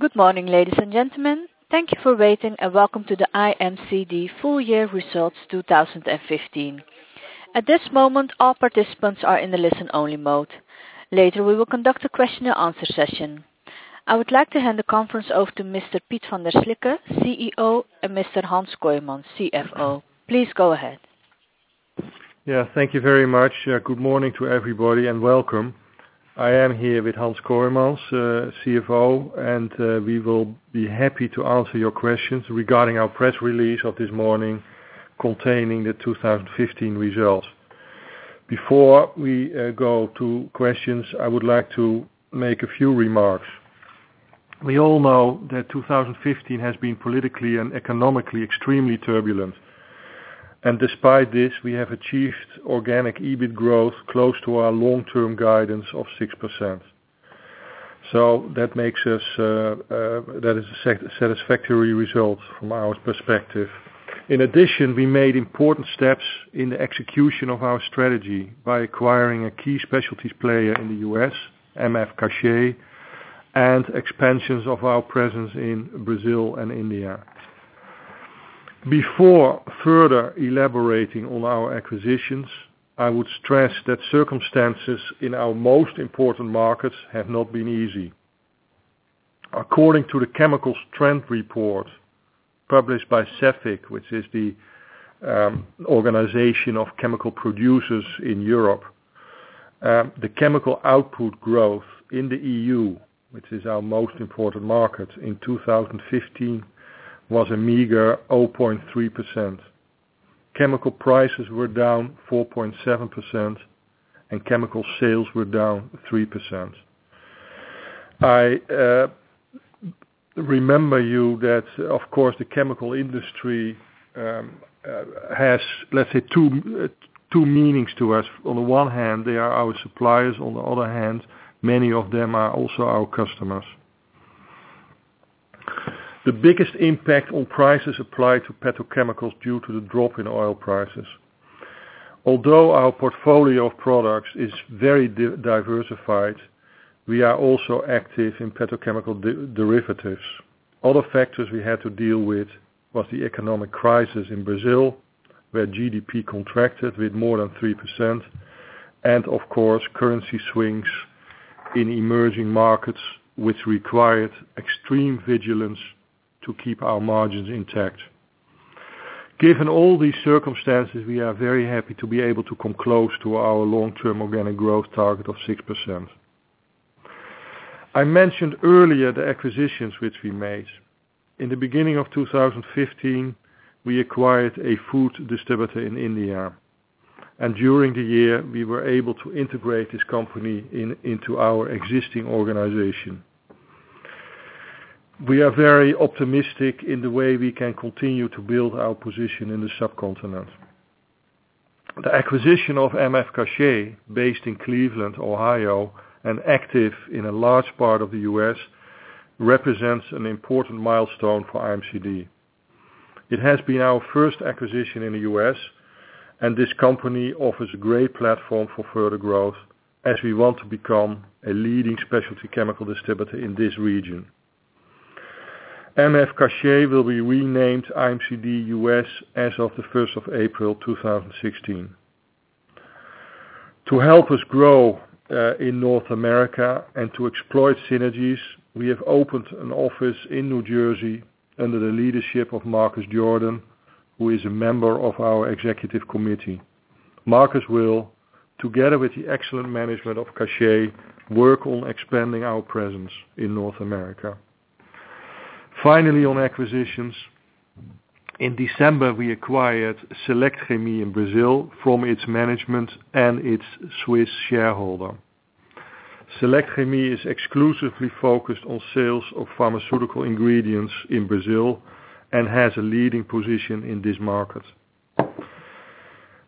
Good morning, ladies and gentlemen. Thank you for waiting and welcome to the IMCD full year results 2015. At this moment, all participants are in the listen only mode. Later, we will conduct a question and answer session. I would like to hand the conference over to Mr. Piet van der Slikke, CEO, and Mr. Hans Kooijmans, CFO. Please go ahead. Yeah. Thank you very much. Good morning to everybody, and welcome. I am here with Hans Kooijmans, CFO, and we will be happy to answer your questions regarding our press release of this morning containing the 2015 results. Before we go to questions, I would like to make a few remarks. We all know that 2015 has been politically and economically extremely turbulent, and despite this, we have achieved organic EBIT growth close to our long-term guidance of 6%. That is a satisfactory result from our perspective. In addition, we made important steps in the execution of our strategy by acquiring a key specialties player in the U.S., M.F. Cachat, and expansions of our presence in Brazil and India. Before further elaborating on our acquisitions, I would stress that circumstances in our most important markets have not been easy. According to the Chemicals Trends Report published by CEFIC, which is the organization of chemical producers in Europe, the chemical output growth in the EU, which is our most important market, in 2015 was a meager 0.3%. Chemical prices were down 4.7%, and chemical sales were down 3%. I remind you that, of course, the chemical industry has, let's say, two meanings to us. On the one hand, they are our suppliers. On the other hand, many of them are also our customers. The biggest impact on prices apply to petrochemicals due to the drop in oil prices. Although our portfolio of products is very diversified, we are also active in petrochemical derivatives. Other factors we had to deal with was the economic crisis in Brazil, where GDP contracted with more than 3%, and of course, currency swings in emerging markets, which required extreme vigilance to keep our margins intact. Given all these circumstances, we are very happy to be able to come close to our long-term organic growth target of 6%. I mentioned earlier the acquisitions which we made. In the beginning of 2015, we acquired a food distributor in India, and during the year, we were able to integrate this company into our existing organization. We are very optimistic in the way we can continue to build our position in the subcontinent. The acquisition of M.F. Cachat, based in Cleveland, Ohio, and active in a large part of the U.S., represents an important milestone for IMCD. It has been our first acquisition in the U.S., and this company offers a great platform for further growth as we want to become a leading specialty chemical distributor in this region. M.F. Cachat will be renamed IMCD US as of the 1st of April 2016. To help us grow in North America and to exploit synergies, we have opened an office in New Jersey under the leadership of Marcus Jordan, who is a member of our Executive Committee. Marcus will, together with the excellent management of Cachat, work on expanding our presence in North America. Finally, on acquisitions. In December, we acquired Selectchemie in Brazil from its management and its Swiss shareholder. Selectchemie is exclusively focused on sales of pharmaceutical ingredients in Brazil and has a leading position in this market.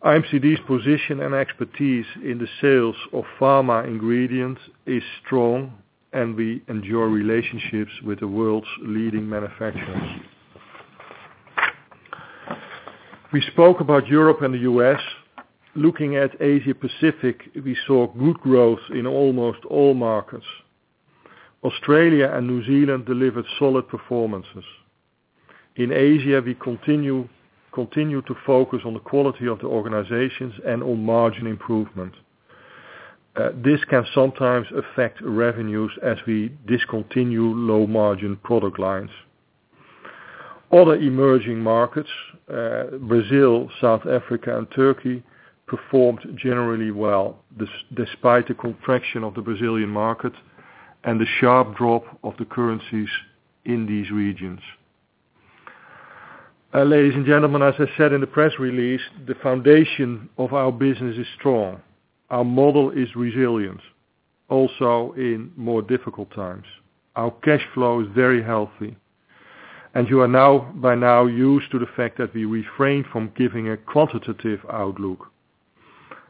IMCD's position and expertise in the sales of pharma ingredients is strong, and we enjoy relationships with the world's leading manufacturers. We spoke about Europe and the U.S. Looking at Asia Pacific, we saw good growth in almost all markets. Australia and New Zealand delivered solid performances. In Asia, we continue to focus on the quality of the organizations and on margin improvement. This can sometimes affect revenues as we discontinue low-margin product lines. Other emerging markets, Brazil, South Africa, and Turkey, performed generally well, despite the contraction of the Brazilian market and the sharp drop of the currencies in these regions. Ladies and gentlemen, as I said in the press release, the foundation of our business is strong. Our model is resilient, also in more difficult times. Our cash flow is very healthy, and you are by now used to the fact that we refrain from giving a quantitative outlook.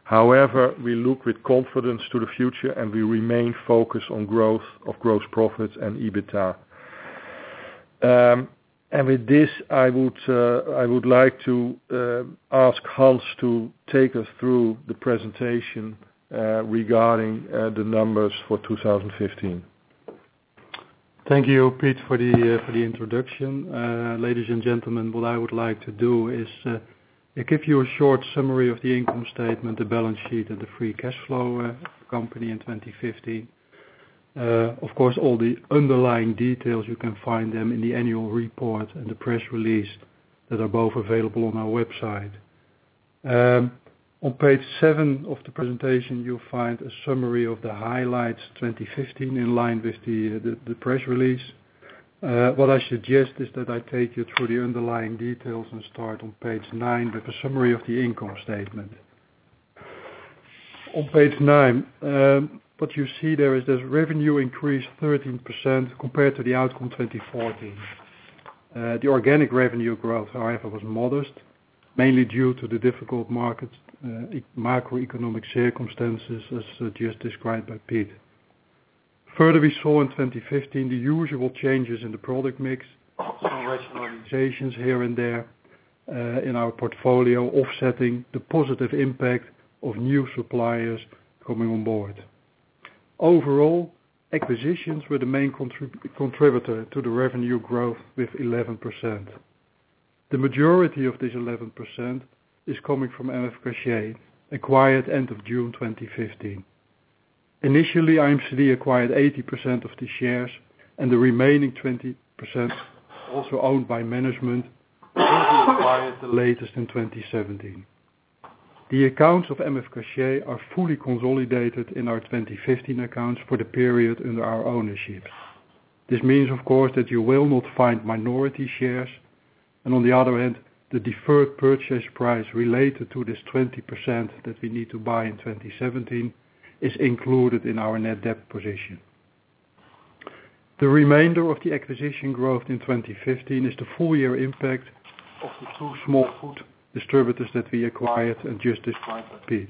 However, we look with confidence to the future, and we remain focused on growth of gross profits and EBITDA. With this, I would like to ask Hans to take us through the presentation regarding the numbers for 2015. Thank you, Piet, for the introduction. Ladies and gentlemen, what I would like to do is give you a short summary of the income statement, the balance sheet, and the free cash flow of the company in 2015. Of course, all the underlying details, you can find them in the annual report and the press release that are both available on our website. On page seven of the presentation, you'll find a summary of the highlights 2015, in line with the press release. What I suggest is that I take you through the underlying details and start on page nine with a summary of the income statement. On page nine, what you see there is this revenue increase 13% compared to the outcome 2014. The organic revenue growth, however, was modest, mainly due to the difficult market macroeconomic circumstances, as just described by Piet. Further, we saw in 2015 the usual changes in the product mix and rationalizations here and there in our portfolio offsetting the positive impact of new suppliers coming on board. Overall, acquisitions were the main contributor to the revenue growth with 11%. The majority of this 11% is coming from M.F. Cachat, acquired end of June 2015. Initially, IMCD acquired 80% of the shares, and the remaining 20%, also owned by management, will be acquired the latest in 2017. The accounts of M.F. Cachat are fully consolidated in our 2015 accounts for the period under our ownership. This means, of course, that you will not find minority shares, and on the other hand, the deferred purchase price related to this 20% that we need to buy in 2017 is included in our net debt position. The remainder of the acquisition growth in 2015 is the full year impact of the two small food distributors that we acquired, and just described by Piet.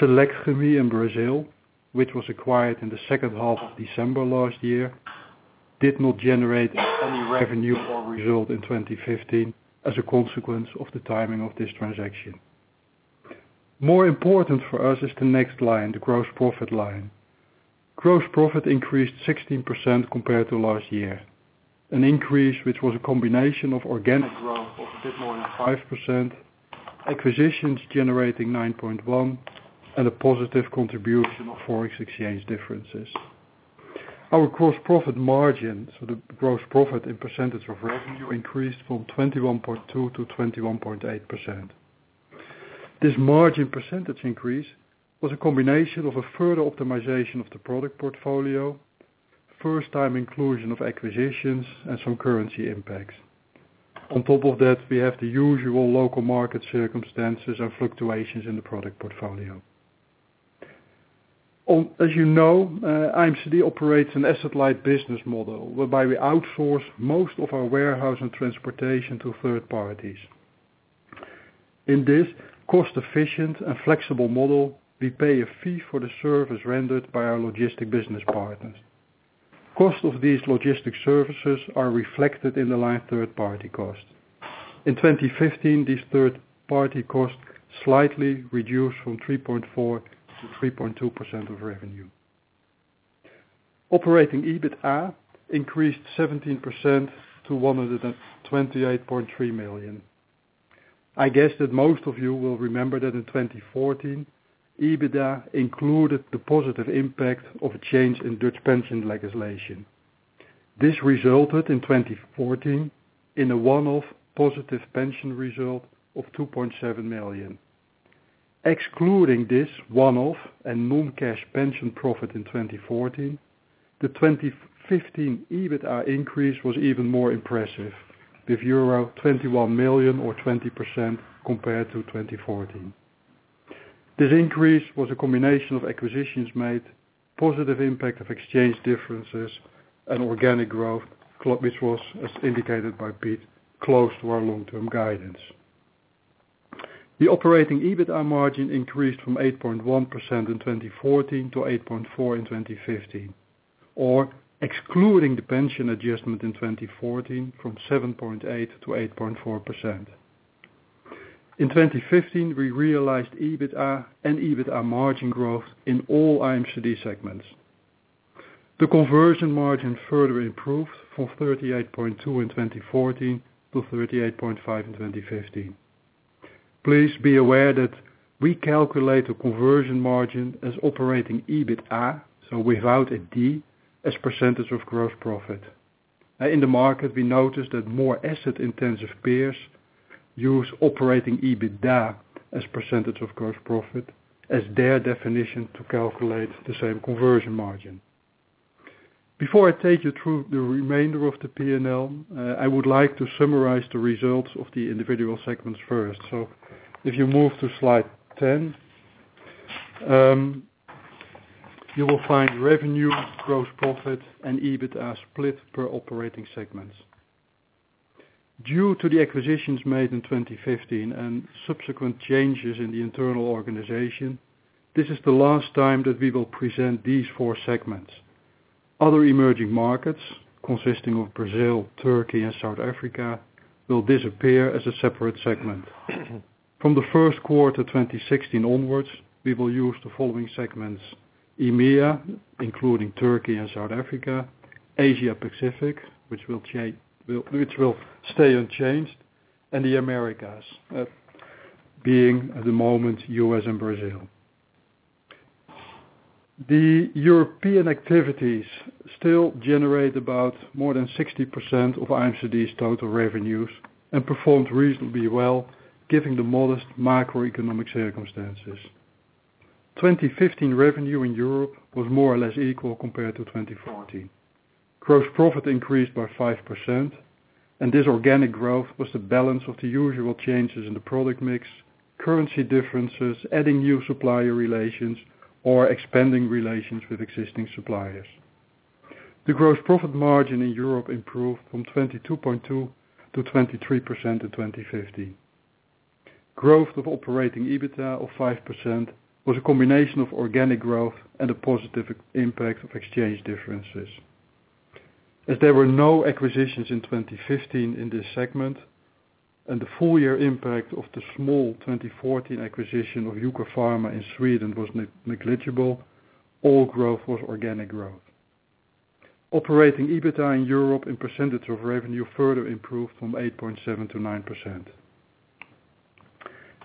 Selectchemie in Brazil, which was acquired in the second half of December last year, did not generate any revenue or result in 2015 as a consequence of the timing of this transaction. More important for us is the next line, the gross profit line. Gross profit increased 16% compared to last year. An increase which was a combination of organic growth of a bit more than 5%, acquisitions generating 9.1%, and a positive contribution of Forex exchange differences. Our gross profit margin, so the gross profit in percentage of revenue increased from 21.2% to 21.8%. This margin percentage increase was a combination of a further optimization of the product portfolio, first-time inclusion of acquisitions, and some currency impacts. On top of that, we have the usual local market circumstances and fluctuations in the product portfolio. As you know, IMCD operates an asset-light business model whereby we outsource most of our warehouse and transportation to third parties. In this cost-efficient and flexible model, we pay a fee for the service rendered by our logistic business partners. Cost of these logistic services are reflected in the line third-party cost. In 2015, this third-party cost slightly reduced from 3.4% to 3.2% of revenue. Operating EBITDA increased 17% to 128.3 million. I guess that most of you will remember that in 2014, EBITDA included the positive impact of a change in Dutch pension legislation. This resulted in 2014 in a one-off positive pension result of 2.7 million. Excluding this one-off and non-cash pension profit in 2014, the 2015 EBITDA increase was even more impressive, with euro 21 million or 20% compared to 2014. This increase was a combination of acquisitions made, positive impact of exchange differences, and organic growth, which was, as indicated by Piet, close to our long-term guidance. The Operating EBITDA margin increased from 8.1% in 2014 to 8.4% in 2015, or excluding the pension adjustment in 2014, from 7.8% to 8.4%. In 2015, we realized EBITDA and EBITDA margin growth in all IMCD segments. The conversion margin further improved from 38.2% in 2014 to 38.5% in 2015. Please be aware that we calculate the conversion margin as Operating EBITDA, so without a D, as percentage of gross profit. In the market, we noticed that more asset-intensive peers use Operating EBITDA as percentage of gross profit as their definition to calculate the same conversion margin. Before I take you through the remainder of the P&L, I would like to summarize the results of the individual segments first. If you move to slide 10, you will find revenue, gross profit, and EBITDA split per operating segments. Due to the acquisitions made in 2015 and subsequent changes in the internal organization, this is the last time that we will present these four segments. Other emerging markets consisting of Brazil, Turkey, and South Africa will disappear as a separate segment. From the first quarter 2016 onwards, we will use the following segments: EMEA, including Turkey and South Africa, Asia Pacific, which will stay unchanged, and the Americas, being at the moment U.S. and Brazil. The European activities still generate about more than 60% of IMCD's total revenues and performed reasonably well, given the modest macroeconomic circumstances. 2015 revenue in Europe was more or less equal compared to 2014. Gross profit increased by 5%, and this organic growth was the balance of the usual changes in the product mix, currency differences, adding new supplier relations, or expanding relations with existing suppliers. The gross profit margin in Europe improved from 22.2% to 23% in 2015. Growth of operating EBITDA of 5% was a combination of organic growth and a positive impact of exchange differences. As there were no acquisitions in 2015 in this segment, and the full-year impact of the small 2014 acquisition of Euka Pharma in Sweden was negligible, all growth was organic growth. Operating EBITDA in Europe in percentage of revenue further improved from 8.7% to 9%.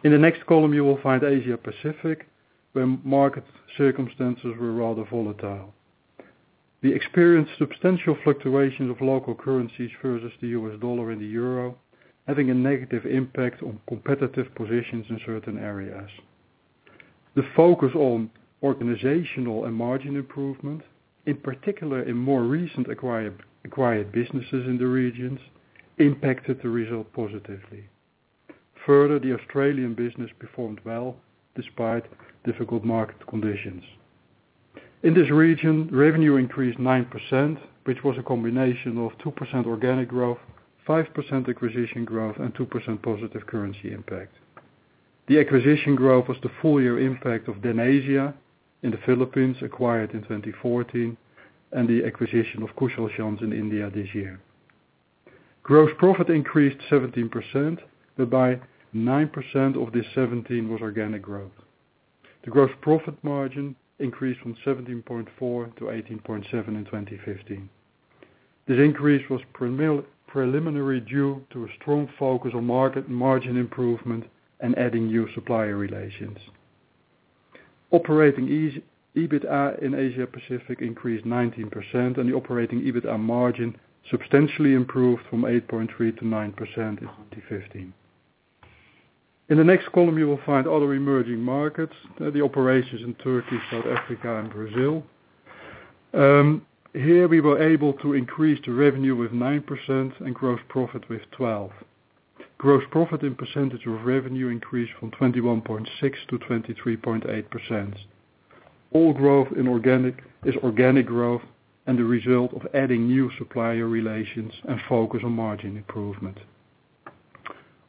In the next column, you will find Asia Pacific, where market circumstances were rather volatile. We experienced substantial fluctuations of local currencies versus the US dollar and the euro, having a negative impact on competitive positions in certain areas. The focus on organizational and margin improvement, in particular in more recent acquired businesses in the regions, impacted the result positively. Further, the Australian business performed well despite difficult market conditions. In this region, revenue increased 9%, which was a combination of 2% organic growth, 5% acquisition growth, and 2% positive currency impact. The acquisition growth was the full-year impact of Danasia in the Philippines, acquired in 2014, and the acquisition of Kushalchand in India this year. Gross profit increased 17%, whereby 9% of this 17% was organic growth. The gross profit margin increased from 17.4% to 18.7% in 2015. This increase was preliminary due to a strong focus on market margin improvement and adding new supplier relations. Operating EBITDA in Asia Pacific increased 19%, the operating EBITDA margin substantially improved from 8.3% to 9% in 2015. In the next column, you will find other emerging markets, the operations in Turkey, South Africa, and Brazil. Here, we were able to increase the revenue with 9% and gross profit with 12%. Gross profit in percentage of revenue increased from 21.6% to 23.8%. All growth is organic growth and a result of adding new supplier relations and focus on margin improvement.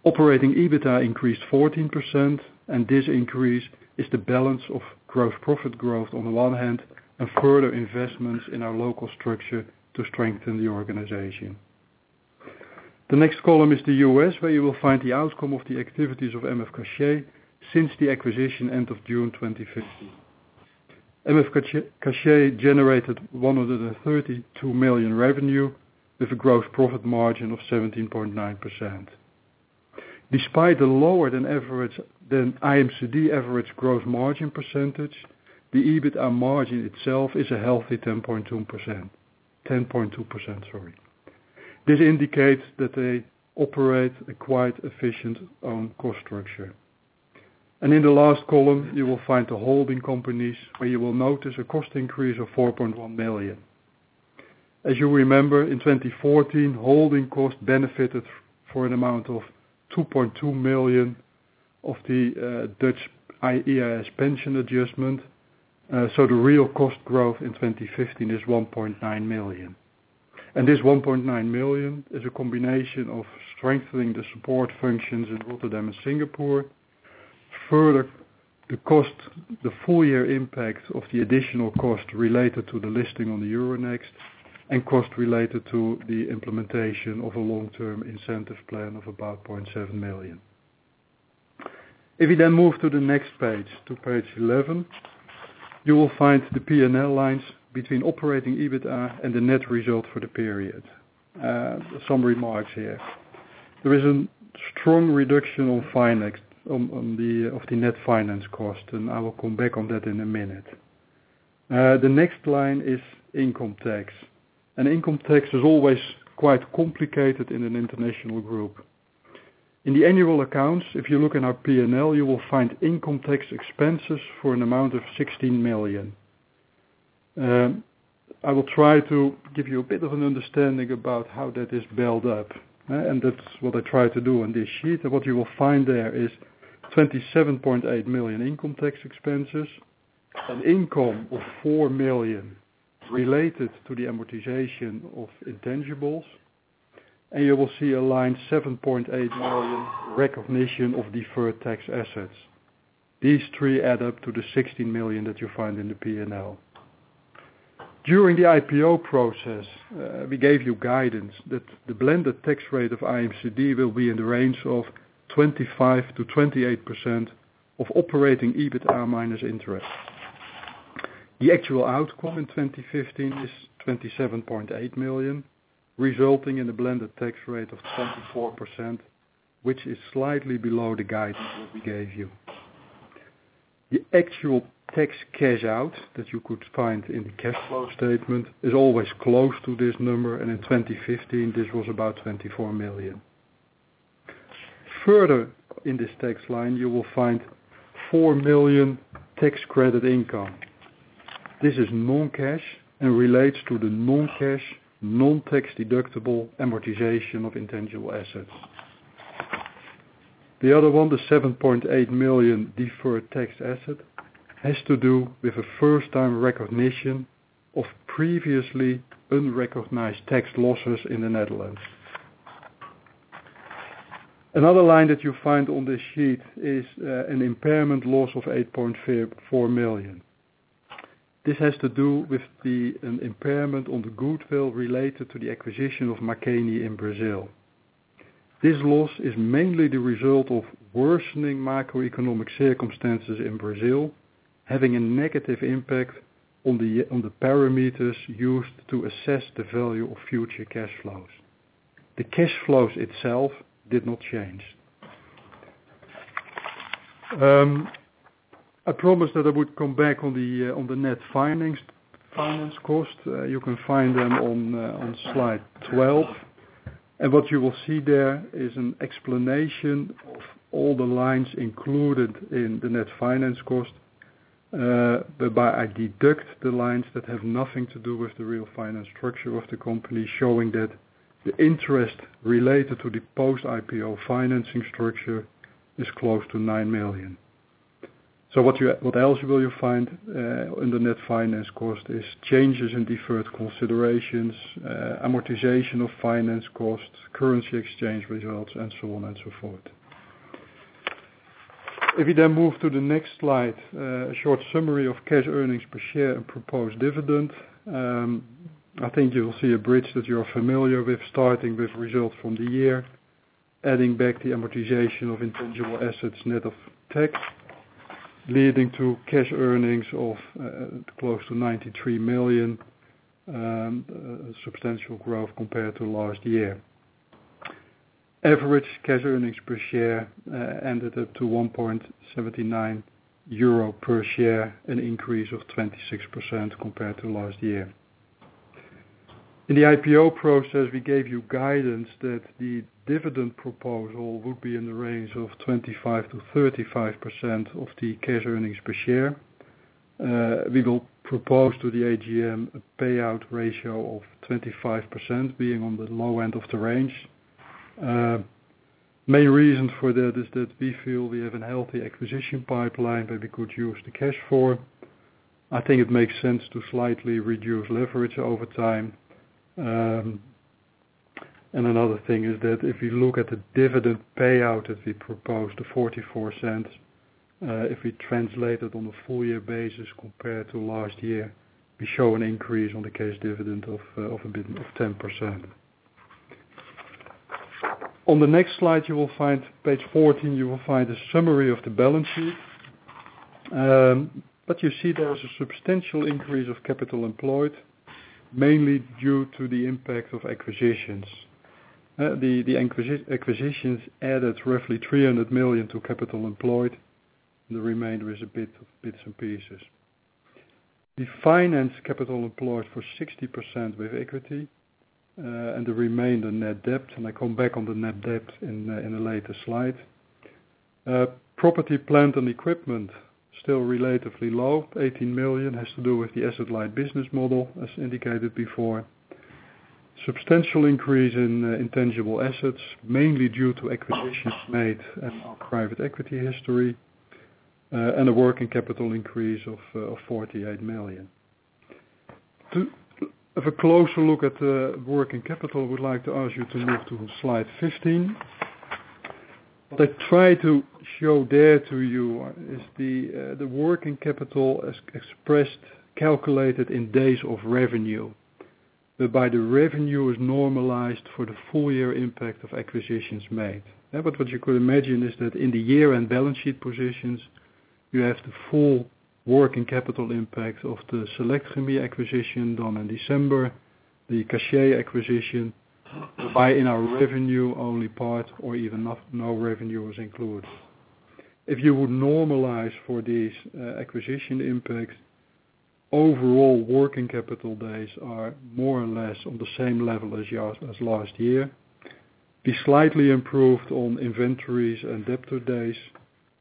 Operating EBITDA increased 14%, this increase is the balance of gross profit growth on the one hand and further investments in our local structure to strengthen the organization. The next column is the U.S., where you will find the outcome of the activities of M.F. Cachat since the acquisition end of June 2015. M.F. Cachat generated $132 million revenue with a gross profit margin of 17.9%. Despite the lower than IMCD average gross margin percentage, the EBITDA margin itself is a healthy 10.2%. This indicates that they operate a quite efficient cost structure. In the last column, you will find the holding companies where you will notice a cost increase of 4.1 million. As you remember, in 2014, holding cost benefited for an amount of 2.2 million of the Dutch EIS pension adjustment. The real cost growth in 2015 is 1.9 million. This 1.9 million is a combination of strengthening the support functions in Rotterdam and Singapore. Further, the full-year impact of the additional cost related to the listing on the Euronext, and cost related to the implementation of a long-term incentive plan of about 0.7 million. You move to the next page, to page 11, you will find the P&L lines between operating EBITDA and the net result for the period. Some remarks here. There is a strong reduction of the net finance cost, I will come back on that in a minute. The next line is income tax, Income tax is always quite complicated in an international group. In the annual accounts, if you look in our P&L, you will find income tax expenses for an amount of 16 million. I will try to give you a bit of an understanding about how that is built up, that's what I try to do on this sheet. What you will find there is 27.8 million income tax expenses. An income of 4 million related to the amortization of intangibles, you will see a line 7.8 million recognition of deferred tax assets. These three add up to the 16 million that you find in the P&L. During the IPO process, we gave you guidance that the blended tax rate of IMCD will be in the range of 25%-28% of operating EBITDA minus interest. The actual outcome in 2015 is 27.8 million, resulting in a blended tax rate of 24%, which is slightly below the guidance that we gave you. The actual tax cash out that you could find in the cash flow statement is always close to this number, in 2015 this was about 24 million. Further in this tax line, you will find 4 million tax credit income. This is non-cash and relates to the non-cash, non-tax-deductible amortization of intangible assets. The other one, the 7.8 million deferred tax asset, has to do with a first-time recognition of previously unrecognized tax losses in the Netherlands. Another line that you find on this sheet is an impairment loss of 8.4 million. This has to do with the impairment on the goodwill related to the acquisition of Makeni in Brazil. This loss is mainly the result of worsening macroeconomic circumstances in Brazil, having a negative impact on the parameters used to assess the value of future cash flows. The cash flows itself did not change. I promised that I would come back on the net finance cost. You can find them on slide 12. What you will see there is an explanation of all the lines included in the net finance cost, whereby I deduct the lines that have nothing to do with the real finance structure of the company, showing that the interest related to the post-IPO financing structure is close to 9 million. What else will you find in the net finance cost is changes in deferred considerations, amortization of finance costs, currency exchange results, and so on and so forth. You move to the next slide, a short summary of cash earnings per share and proposed dividend. I think you will see a bridge that you are familiar with, starting with results from the year, adding back the amortization of intangible assets net of tax, leading to cash earnings of close to 93 million, substantial growth compared to last year. Average cash earnings per share ended up to 1.79 euro per share, an increase of 26% compared to last year. In the IPO process, we gave you guidance that the dividend proposal would be in the range of 25%-35% of the cash earnings per share. We will propose to the AGM a payout ratio of 25%, being on the low end of the range. Main reason for that is that we feel we have a healthy acquisition pipeline that we could use the cash for. I think it makes sense to slightly reduce leverage over time. Another thing is that if you look at the dividend payout that we proposed, the 0.44, if we translate it on a full-year basis compared to last year, we show an increase on the cash dividend of 10%. On the next slide, page 14, you will find a summary of the balance sheet. You see there is a substantial increase of capital employed, mainly due to the impact of acquisitions. The acquisitions added roughly 300 million to capital employed, and the remainder is bits and pieces. We finance capital employed for 60% with equity, and the remainder net debt, and I come back on the net debt in a later slide. Property plant and equipment, still relatively low, 18 million, has to do with the asset light business model, as indicated before. Substantial increase in intangible assets, mainly due to acquisitions made in our private equity history, and a working capital increase of 48 million. To have a closer look at the working capital, I would like to ask you to move to slide 15. What I try to show there to you is the working capital expressed, calculated in days of revenue, whereby the revenue is normalized for the full-year impact of acquisitions made. What you could imagine is that in the year-end balance sheet positions, you have the full working capital impact of the Selectchemie acquisition done in December, the Cachat acquisition, whereby in our revenue, only part or even no revenue was included. If you would normalize for these acquisition impacts, overall working capital days are more or less on the same level as last year. We slightly improved on inventories and debtor days,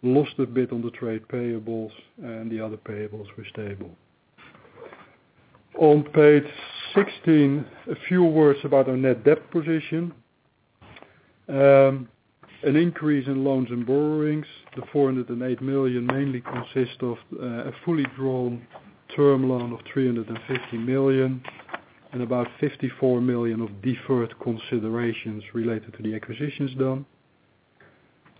lost a bit on the trade payables, and the other payables were stable. On page 16, a few words about our net debt position. An increase in loans and borrowings. The $408 million mainly consists of a fully drawn term loan of $350 million and about $54 million of deferred considerations related to the acquisitions done.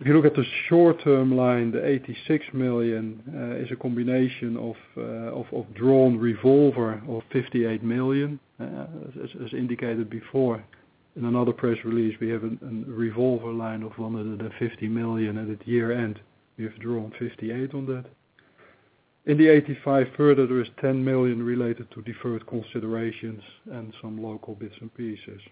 If you look at the short-term line, the $86 million is a combination of drawn revolver of $58 million. As indicated before in another press release, we have a revolver line of $150 million at its year-end. We have drawn $58 million on that. In the $85 million, further, there is $10 million related to deferred considerations and some local bits and pieces.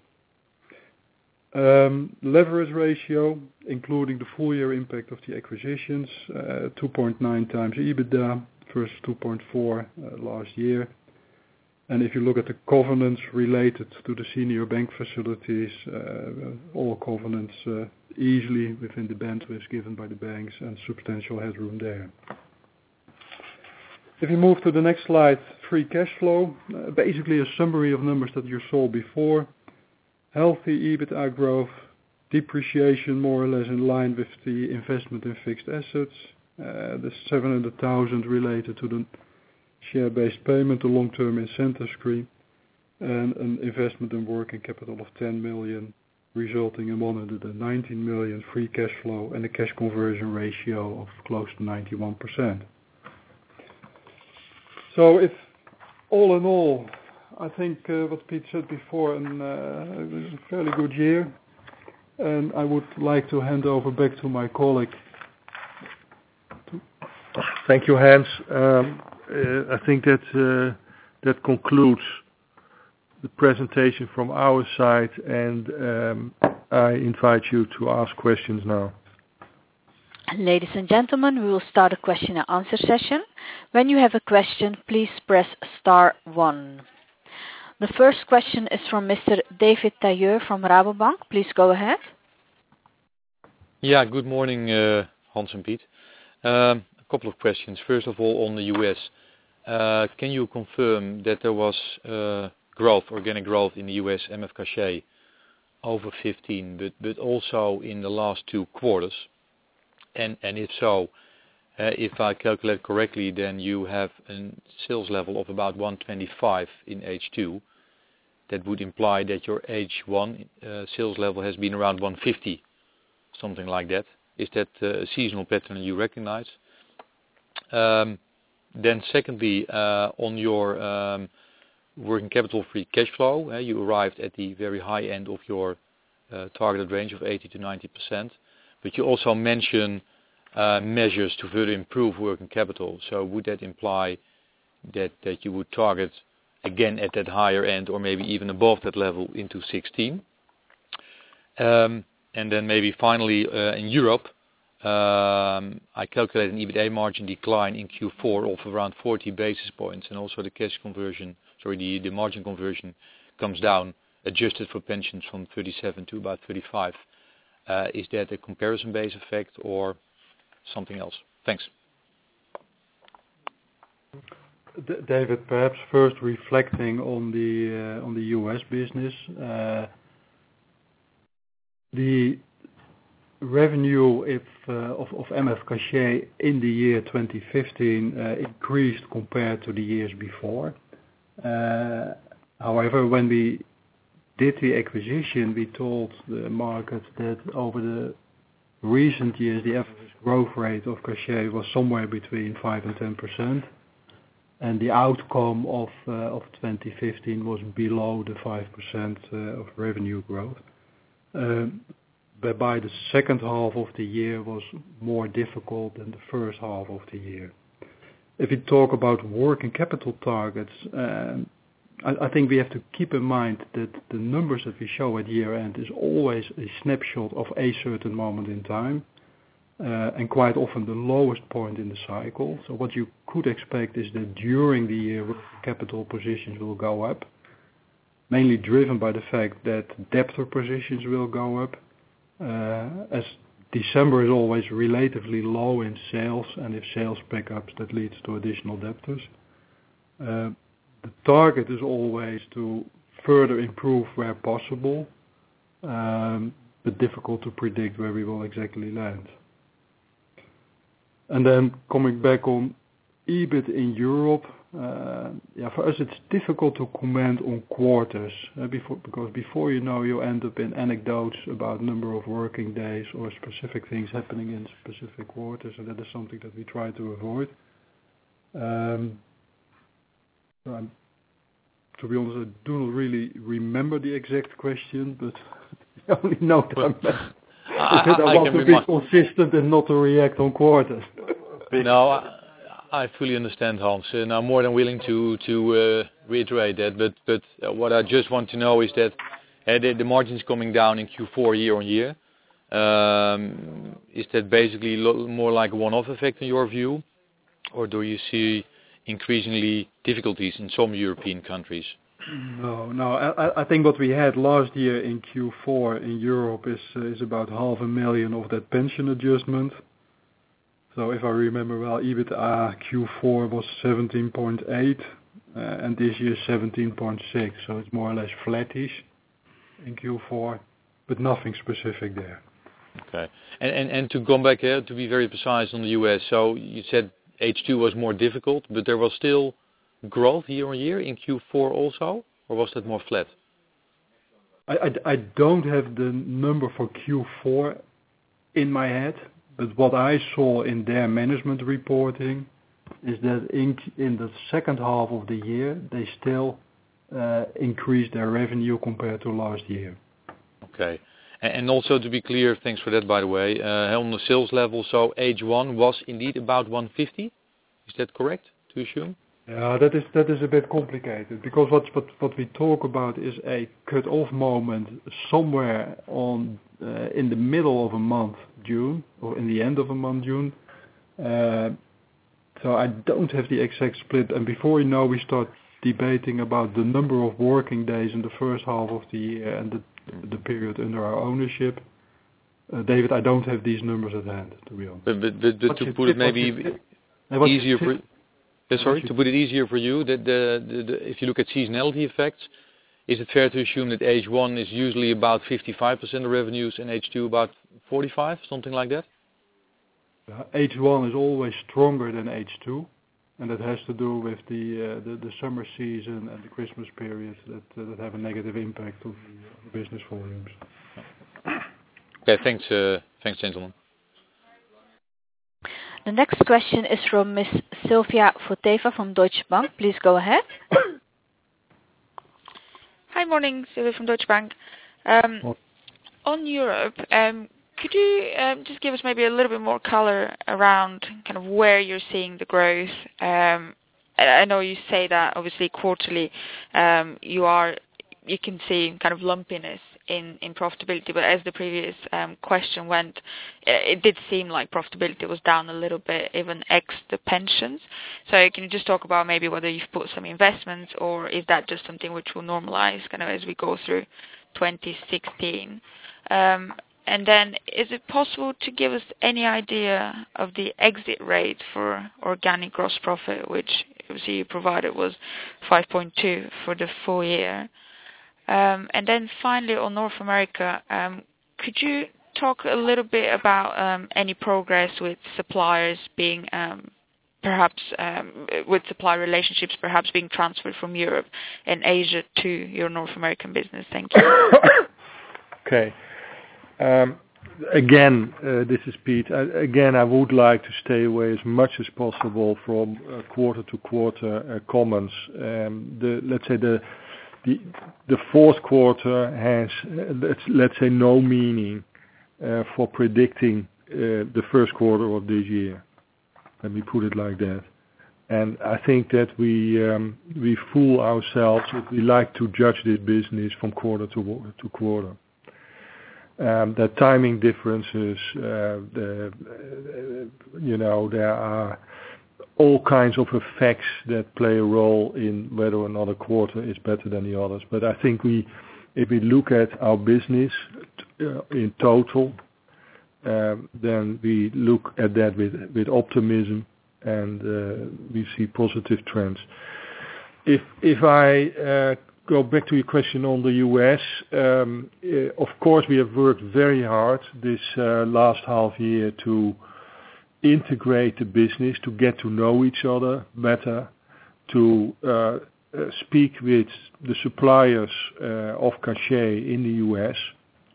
Leverage ratio, including the full-year impact of the acquisitions, 2.9x EBITDA versus 2.4x last year. If you look at the covenants related to the senior bank facilities, all covenants are easily within the bandwidth given by the banks and substantial headroom there. If you move to the next slide, free cash flow, basically a summary of numbers that you saw before. Healthy EBITDA growth, depreciation more or less in line with the investment in fixed assets. The 700,000 related to the share-based payment, the long-term incentive stream, and an investment in working capital of 10 million, resulting in 119 million free cash flow and a cash conversion ratio of close to 91%. All in all, I think what Piet said before, it was a fairly good year. I would like to hand over back to my colleague. Thank you, Hans. I think that concludes the presentation from our side. I invite you to ask questions now. Ladies and gentlemen, we will start a question and answer session. When you have a question, please press star one. The first question is from Mr. David Tailleur from Rabobank. Please go ahead. Good morning, Hans and Piet. A couple of questions. First of all, on the U.S., can you confirm that there was organic growth in the U.S. M.F. Cachat over 15, but also in the last two quarters? If so, if I calculate correctly, you have a sales level of about 125 in H2. That would imply that your H1 sales level has been around 150, something like that. Is that a seasonal pattern you recognize? Secondly, on your working capital free cash flow, you arrived at the very high end of your targeted range of 80%-90%, but you also mentioned measures to further improve working capital. Would that imply that you would target again at that higher end or maybe even above that level into 2016? In Europe, I calculate an EBITDA margin decline in Q4 of around 40 basis points, and also the margin conversion comes down, adjusted for pensions from 37 to about 35. Is that a comparison base effect or something else? Thanks. David, perhaps first reflecting on the U.S. business. The revenue of M.F. Cachat in the year 2015 increased compared to the years before. However, when we did the acquisition, we told the markets that over the recent years, the average growth rate of Cachat was somewhere between 5% and 10%. The outcome of 2015 was below the 5% of revenue growth. By the second half of the year was more difficult than the first half of the year. If you talk about working capital targets, I think we have to keep in mind that the numbers that we show at year-end is always a snapshot of a certain moment in time, and quite often the lowest point in the cycle. What you could expect is that during the year, capital positions will go up, mainly driven by the fact that debtor positions will go up, as December is always relatively low in sales, and if sales pick up, that leads to additional debtors. The target is always to further improve where possible, but difficult to predict where we will exactly land. Coming back on EBIT in Europe. For us, it's difficult to comment on quarters, because before you know, you end up in anecdotes about number of working days or specific things happening in specific quarters, and that is something that we try to avoid. To be honest, I don't really remember the exact question, I want to be consistent and not to react on quarters. I fully understand, Hans, I'm more than willing to reiterate that. What I just want to know is that the margins coming down in Q4 year-on-year, is that basically more like a one-off effect in your view? Do you see increasing difficulties in some European countries? No, I think what we had last year in Q4 in Europe is about EUR half a million of that pension adjustment. If I remember well, EBITDA Q4 was 17.8, and this year 17.6. It's more or less flattish in Q4, but nothing specific there. Okay. To go back, to be very precise on the U.S., so you said H2 was more difficult, but there was still growth year-on-year in Q4 also? Was that more flat? I don't have the number for Q4 in my head, but what I saw in their management reporting is that in the second half of the year, they still increased their revenue compared to last year. Okay. Also to be clear, thanks for that, by the way. On the sales level, H1 was indeed about 150? Is that correct to assume? That is a bit complicated because what we talk about is a cutoff moment somewhere in the middle of the month June or in the end of the month June. I don't have the exact split, and before we know, we start debating about the number of working days in the first half of the year and the period under our ownership. David, I don't have these numbers at hand, to be honest. To put it maybe easier for you, if you look at seasonality effects, is it fair to assume that H1 is usually about 55% of revenues and H2 about 45%? Something like that? H1 is always stronger than H2, that has to do with the summer season and the Christmas periods that have a negative impact on the business volumes. Okay, thanks. Thanks, gentlemen. The next question is from Miss Silviya Ivanova from Deutsche Bank. Please go ahead. Hi. Morning. Silviya from Deutsche Bank. Morning. On Europe, could you just give us maybe a little bit more color around where you're seeing the growth? I know you say that obviously quarterly, you can see lumpiness in profitability, but as the previous question went, it did seem like profitability was down a little bit, even ex the pensions. Can you just talk about maybe whether you've put some investments or is that just something which will normalize as we go through 2016? Is it possible to give us any idea of the exit rate for organic gross profit, which obviously you provided was 5.2% for the full year. Finally on North America, could you talk a little bit about any progress with supply relationships perhaps being transferred from Europe and Asia to your North American business? Thank you. Okay. This is Piet. Again, I would like to stay away as much as possible from quarter-to-quarter comments. Let's say the fourth quarter has, let's say, no meaning for predicting the first quarter of this year. Let me put it like that. I think that we fool ourselves if we like to judge this business from quarter to quarter. The timing differences, there are all kinds of effects that play a role in whether or not a quarter is better than the others. I think if we look at our business in total, then we look at that with optimism and we see positive trends. If I go back to your question on the U.S., of course, we have worked very hard this last half year to integrate the business, to get to know each other better, to speak with the suppliers of Cachat in the U.S.,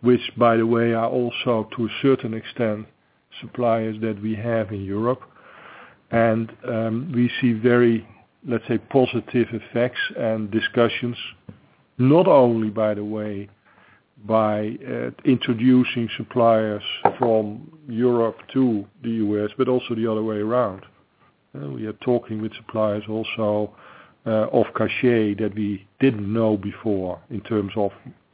which by the way, are also, to a certain extent, suppliers that we have in Europe. We see very, let's say, positive effects and discussions, not only, by the way, by introducing suppliers from Europe to the U.S., but also the other way around. We are talking with suppliers also of Cachat that we didn't know before in terms of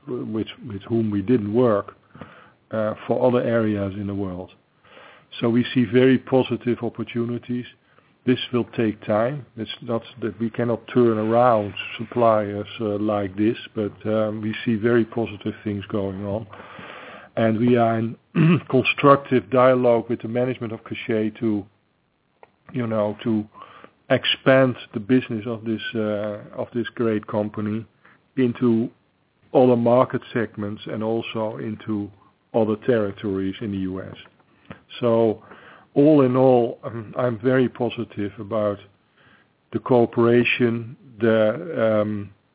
with whom we didn't work for other areas in the world. We see very positive opportunities. This will take time. It's not that we cannot turn around suppliers like this, but we see very positive things going on. We are in constructive dialogue with the management of Cachat to expand the business of this great company into other market segments and also into other territories in the U.S. All in all, I'm very positive about the cooperation.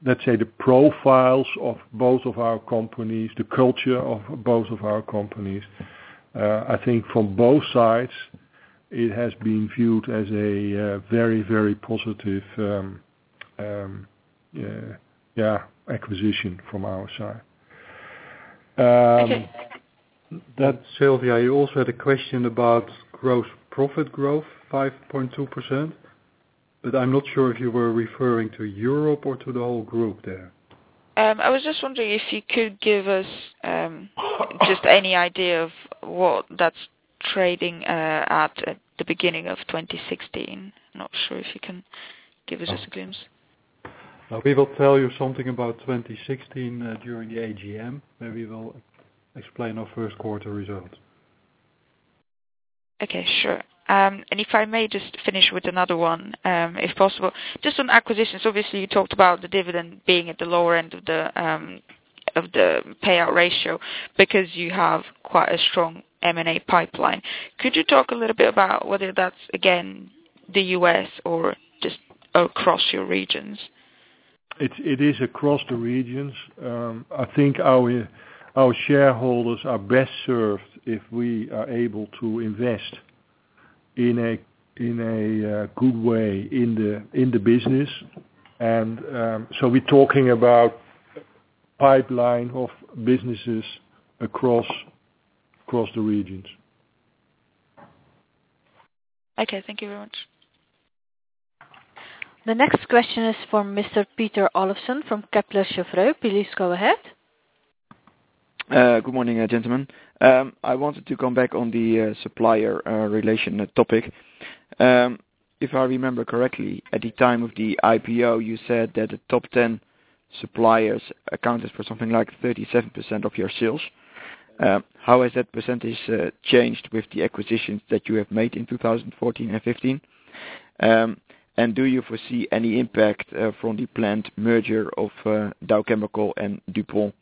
Let's say the profiles of both of our companies, the culture of both of our companies, I think from both sides, it has been viewed as a very positive acquisition from our side. Silviya, you also had a question about gross profit growth, 5.2%, but I'm not sure if you were referring to Europe or to the whole group there. I was just wondering if you could give us just any idea of what that's trading at the beginning of 2016. Not sure if you can give us just a glimpse. We will tell you something about 2016 during the AGM, where we will explain our first quarter results. Okay, sure. If I may just finish with another one, if possible. Just on acquisitions, obviously, you talked about the dividend being at the lower end of the payout ratio because you have quite a strong M&A pipeline. Could you talk a little bit about whether that's, again, the U.S. or just across your regions? It is across the regions. I think our shareholders are best served if we are able to invest in a good way in the business. We're talking about pipeline of businesses across the regions. Okay, thank you very much. The next question is from Mr. Peter Olofsen from Kepler Cheuvreux. Please go ahead. Good morning, gentlemen. I wanted to come back on the supplier relation topic. If I remember correctly, at the time of the IPO, you said that the top 10 suppliers accounted for something like 37% of your sales. How has that percentage changed with the acquisitions that you have made in 2014 and 2015? Do you foresee any impact from the planned merger of Dow Chemical and DuPont?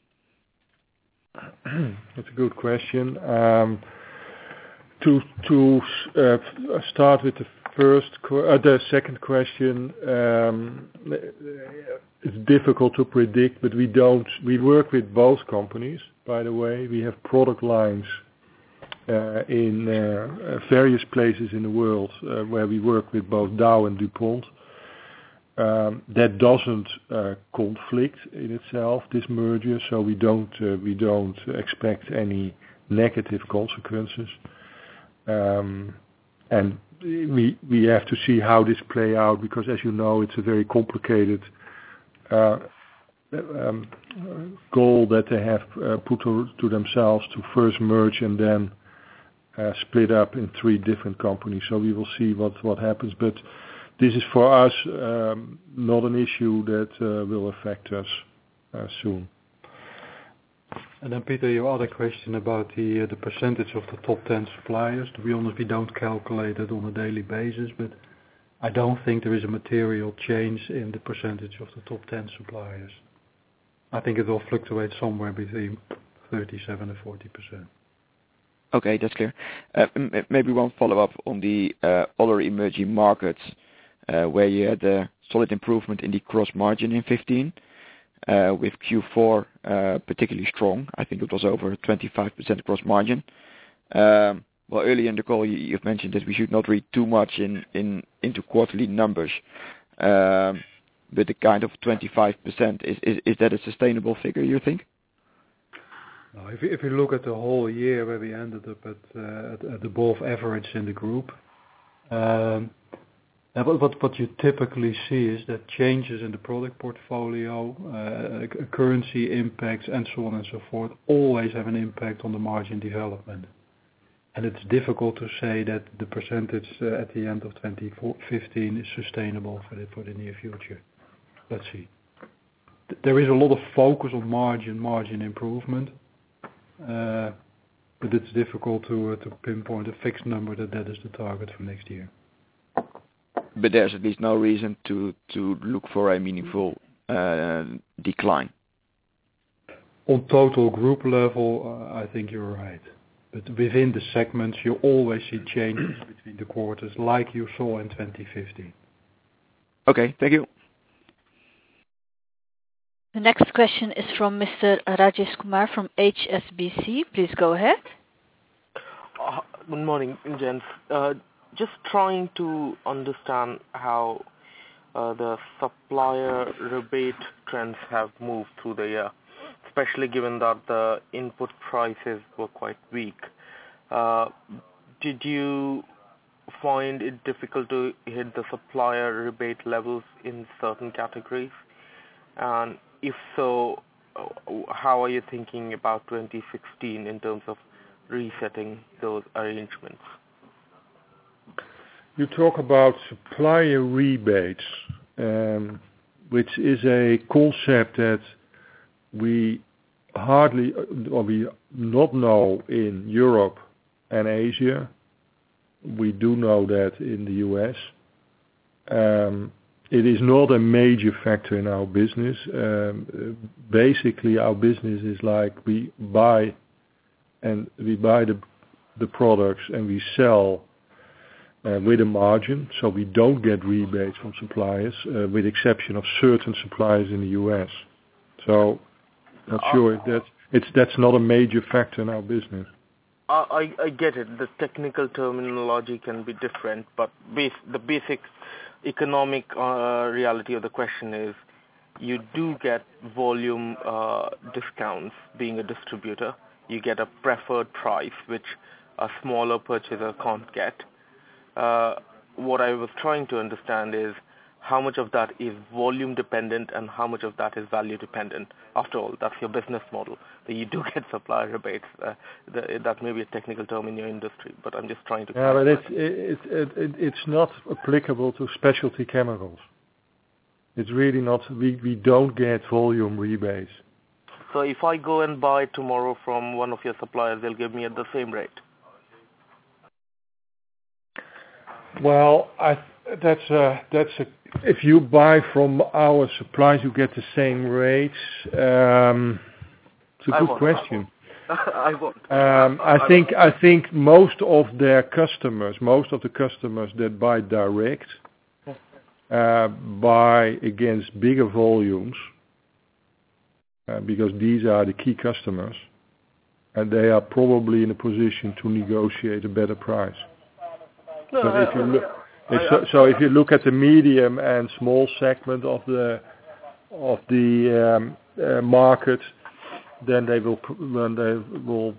That's a good question. To start with the second question. It's difficult to predict. We work with both companies, by the way. We have product lines in various places in the world where we work with both Dow and DuPont. That doesn't conflict in itself, this merger. We don't expect any negative consequences. We have to see how this play out because as you know, it's a very complicated goal that they have put to themselves to first merge and then split up in three different companies. We will see what happens. This is for us, not an issue that will affect us soon. Then Peter, your other question about the percentage of the top 10 suppliers. To be honest, we don't calculate it on a daily basis. I don't think there is a material change in the percentage of the top 10 suppliers. I think it will fluctuate somewhere between 37%-40%. Okay, that's clear. Maybe one follow-up on the other emerging markets, where you had a solid improvement in the gross margin in 2015, with Q4 particularly strong. I think it was over 25% gross margin. Early in the call, you've mentioned that we should not read too much into quarterly numbers. The kind of 25%, is that a sustainable figure, you think? If you look at the whole year where we ended up at above average in the group. What you typically see is that changes in the product portfolio, currency impacts, and so on and so forth, always have an impact on the margin development. It's difficult to say that the percentage at the end of 2015 is sustainable for the near future. Let's see. There is a lot of focus on margin improvement, but it's difficult to pinpoint a fixed number that is the target for next year. There's at least no reason to look for a meaningful decline. On total group level, I think you're right. Within the segments, you always see changes between the quarters like you saw in 2015. Okay, thank you. The next question is from Mr. Rajesh Kumar from HSBC. Please go ahead. Good morning, gents. Just trying to understand how the supplier rebate trends have moved through the year, especially given that the input prices were quite weak. Did you find it difficult to hit the supplier rebate levels in certain categories? If so, how are you thinking about 2016 in terms of resetting those arrangements? You talk about supplier rebates, which is a concept that we not know in Europe and Asia. We do know that in the U.S. It is not a major factor in our business. Basically, our business is like we buy the products, and we sell with a margin, so we don't get rebates from suppliers with exception of certain suppliers in the U.S. That's not a major factor in our business. I get it. The technical terminology can be different, but the basic economic reality of the question is you do get volume discounts, being a distributor. You get a preferred price which a smaller purchaser can't get. What I was trying to understand is how much of that is volume dependent and how much of that is value dependent. After all, that's your business model, that you do get supplier rebates. That may be a technical term in your industry, but I'm just trying to clarify. It's not applicable to specialty chemicals. It's really not. We don't get volume rebates. If I go and buy tomorrow from one of your suppliers, they'll give me at the same rate? Well, if you buy from our suppliers, you get the same rates. It's a good question. I won't. I think most of their customers, most of the customers that buy direct, buy against bigger volumes, because these are the key customers, and they are probably in a position to negotiate a better price. If you look at the medium and small segment of the market, then they will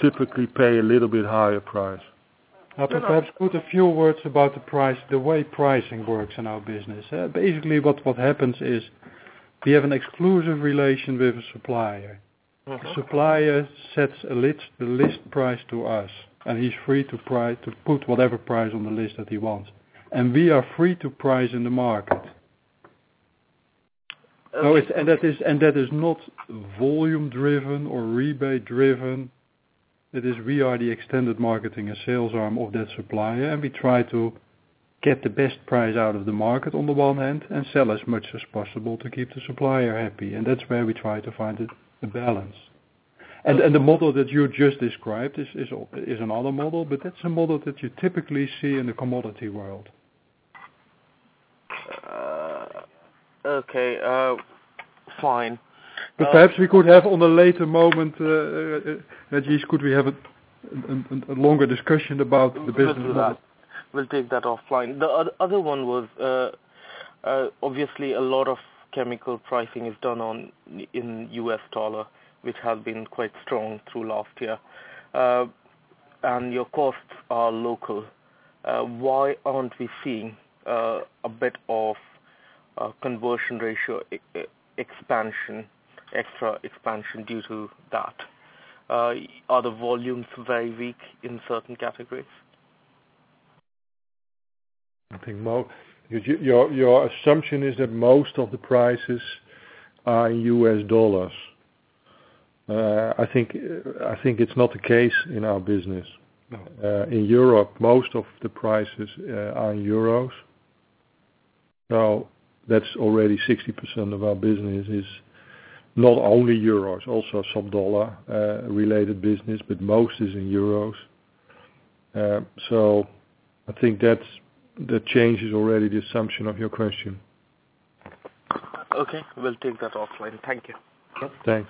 typically pay a little bit higher price. Perhaps put a few words about the price, the way pricing works in our business. Basically, what happens is, we have an exclusive relation with a supplier. Supplier sets a list price to us, and he's free to put whatever price on the list that he wants. We are free to price in the market. That is not volume-driven or rebate-driven. It is, we are the extended marketing and sales arm of that supplier, and we try to get the best price out of the market on the one hand, and sell as much as possible to keep the supplier happy. That's where we try to find a balance. The model that you just described is another model, but that's a model that you typically see in the commodity world. Okay. Fine. Perhaps we could have on a later moment, Rajesh, could we have a longer discussion about the business? We'll take that offline. The other one was, obviously a lot of chemical pricing is done in US dollar, which has been quite strong through last year. Your costs are local. Why aren't we seeing a bit of conversion ratio expansion due to that? Are the volumes very weak in certain categories? I think your assumption is that most of the prices are in US dollars. I think it's not the case in our business. No. In Europe, most of the prices are in euros. That's already 60% of our business is not only euros, also some dollar-related business, but most is in euros. I think that changes already the assumption of your question. Okay. We will take that offline. Thank you. Thanks.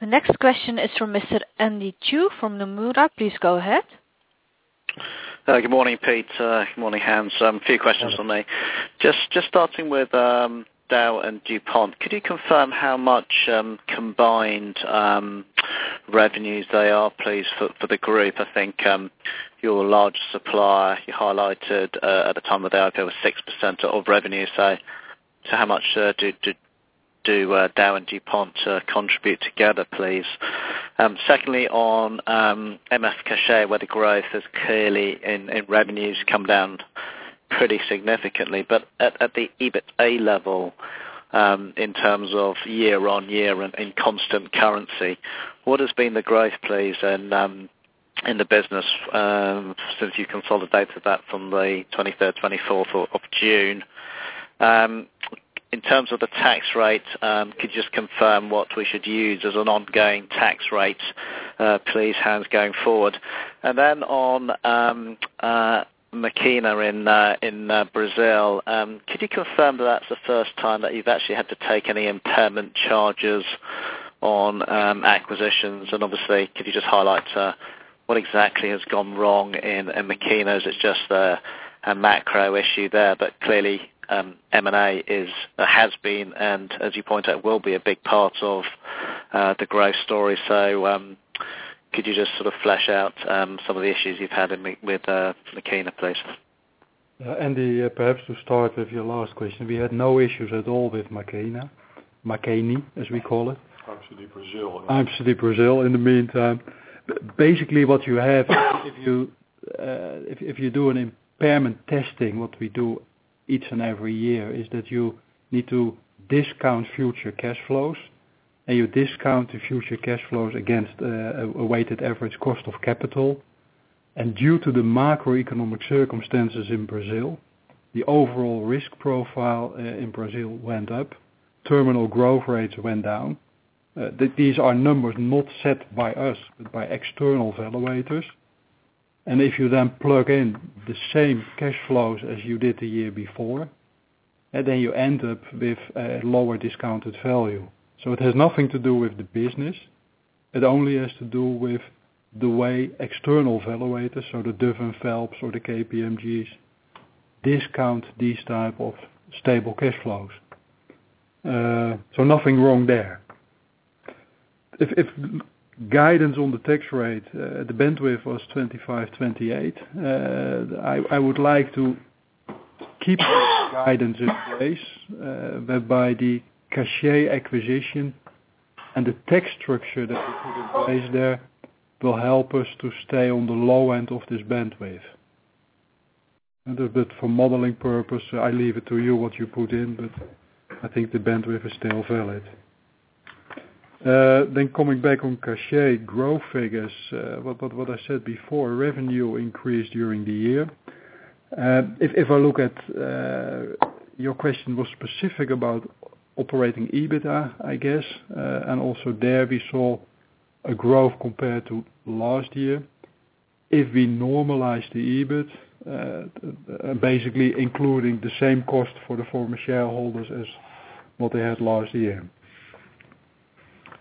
The next question is from Mr. Andy Chu from Nomura. Please go ahead. Good morning, Piet. Good morning, Hans. A few questions from me. Just starting with Dow and DuPont. Could you confirm how much combined revenues they are, please, for the group? I think your large supplier, you highlighted at the time of the IPO 6% of revenue. How much do Dow and DuPont contribute together, please? Secondly, on M.F. Cachat, where the growth is clearly in revenues, come down pretty significantly. But at the EBITA level, in terms of year-over-year in constant currency, what has been the growth, please, in the business since you consolidated that from the 23rd, 24th of June? In terms of the tax rate, could you just confirm what we should use as an ongoing tax rate, please, Hans, going forward? On Makeni in Brazil, could you confirm that that is the first time that you have actually had to take any impairment charges on acquisitions? Obviously, could you just highlight what exactly has gone wrong in Makeni? It is just a macro issue there, but clearly M&A has been, and as you point out, will be a big part of the growth story. Could you just sort of flesh out some of the issues you have had with Makeni, please? Andy, perhaps to start with your last question, we had no issues at all with Makeni. Makeni, as we call it. IMCD Brazil. IMCD Brazil in the meantime. Basically what you have if you do an impairment testing, what we do each and every year, is that you need to discount future cash flows, and you discount the future cash flows against a weighted average cost of capital. Due to the macroeconomic circumstances in Brazil, the overall risk profile in Brazil went up. Terminal growth rates went down. These are numbers not set by us, but by external valuators. If you then plug in the same cash flows as you did the year before, then you end up with a lower discounted value. It has nothing to do with the business. It only has to do with the way external valuators, so the Duff & Phelps or the KPMGs, discount these type of stable cash flows. Nothing wrong there. If guidance on the tax rate, the bandwidth was 25%-28%. I would like to keep that guidance in place, whereby the Cachat acquisition The tax structure that we put in place there will help us to stay on the low end of this bandwidth. A bit for modeling purpose, I leave it to you what you put in, but I think the bandwidth is still valid. Coming back on Cachat growth figures, what I said before, revenue increased during the year. If I look at, your question was specific about operating EBITA, I guess. Also there we saw a growth compared to last year. If we normalize the EBIT, basically including the same cost for the former shareholders as what they had last year.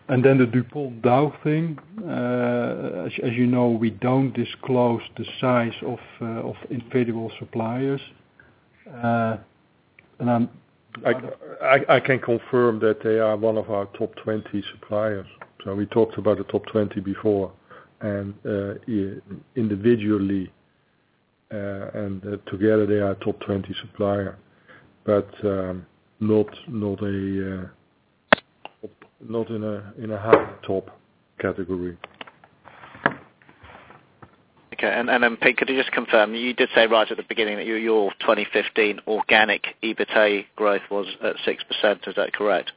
Then the DuPont Dow thing. As you know, we don't disclose the size of individual suppliers. I can confirm that they are one of our top 20 suppliers. We talked about the top 20 before, and individually and together they are a top 20 supplier. Not in a half top category. Okay. Then, Piet, could you just confirm, you did say right at the beginning that your 2015 organic EBITA growth was at 6%, is that correct?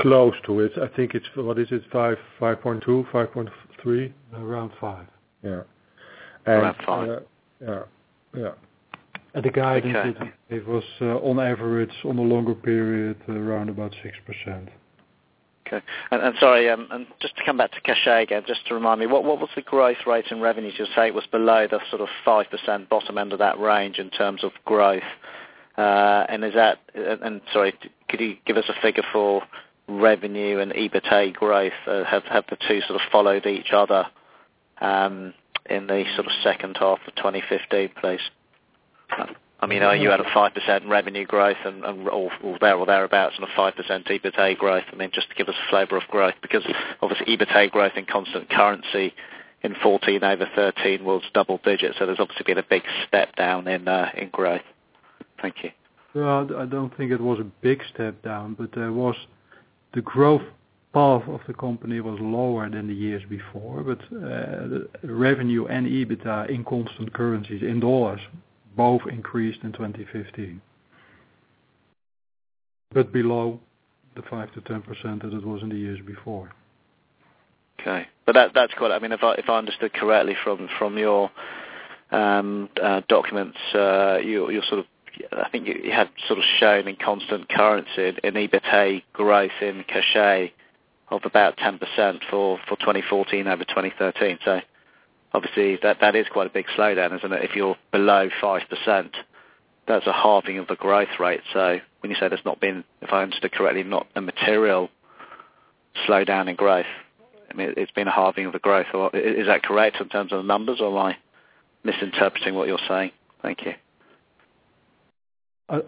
Close to it. I think it's, what is it? 5.2%, 5.3%. Around five. Yeah. Around five. Yeah. The guidance. Okay It was on average, on a longer period, around about 6%. Okay. Sorry, just to come back to Cachat again, just to remind me, what was the growth rate in revenues? You're saying it was below the 5% bottom end of that range in terms of growth. Sorry, could you give us a figure for revenue and EBITA growth? Have the two sort of followed each other in the second half of 2015, please? Are you at a 5% revenue growth or thereabouts on a 5% EBITA growth? Then just to give us a flavor of growth, because obviously EBITA growth in constant currency in 2014 over 2013 was double digits. There's obviously been a big step down in growth. Thank you. I don't think it was a big step down, the growth path of the company was lower than the years before, revenue and EBITA in constant currencies, in USD, both increased in 2015. Below the 5%-10% that it was in the years before. That's quite, if I understood correctly from your documents, I think you had shown in constant currency an EBITA growth in Cachat of about 10% for 2014 over 2013. Obviously that is quite a big slowdown, isn't it? If you're below 5%, that's a halving of the growth rate. When you say there's not been, if I understood correctly, not a material slowdown in growth, it's been a halving of the growth. Is that correct in terms of the numbers or am I misinterpreting what you're saying? Thank you.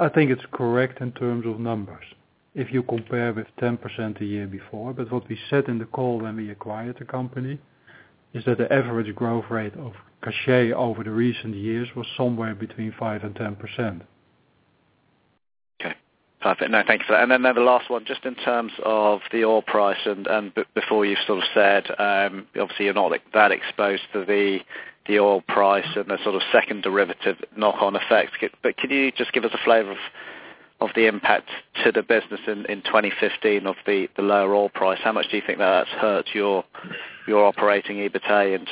I think it's correct in terms of numbers. If you compare with 10% the year before. What we said in the call when we acquired the company, is that the average growth rate of Cachat over the recent years was somewhere between 5% and 10%. Okay. Perfect. No, thank you for that. The last one, just in terms of the oil price and, before you sort of said, obviously you're not that exposed to the oil price and the sort of second derivative knock-on effect. Can you just give us a flavor of the impact to the business in 2015 of the lower oil price? How much do you think that's hurt your operating EBITA in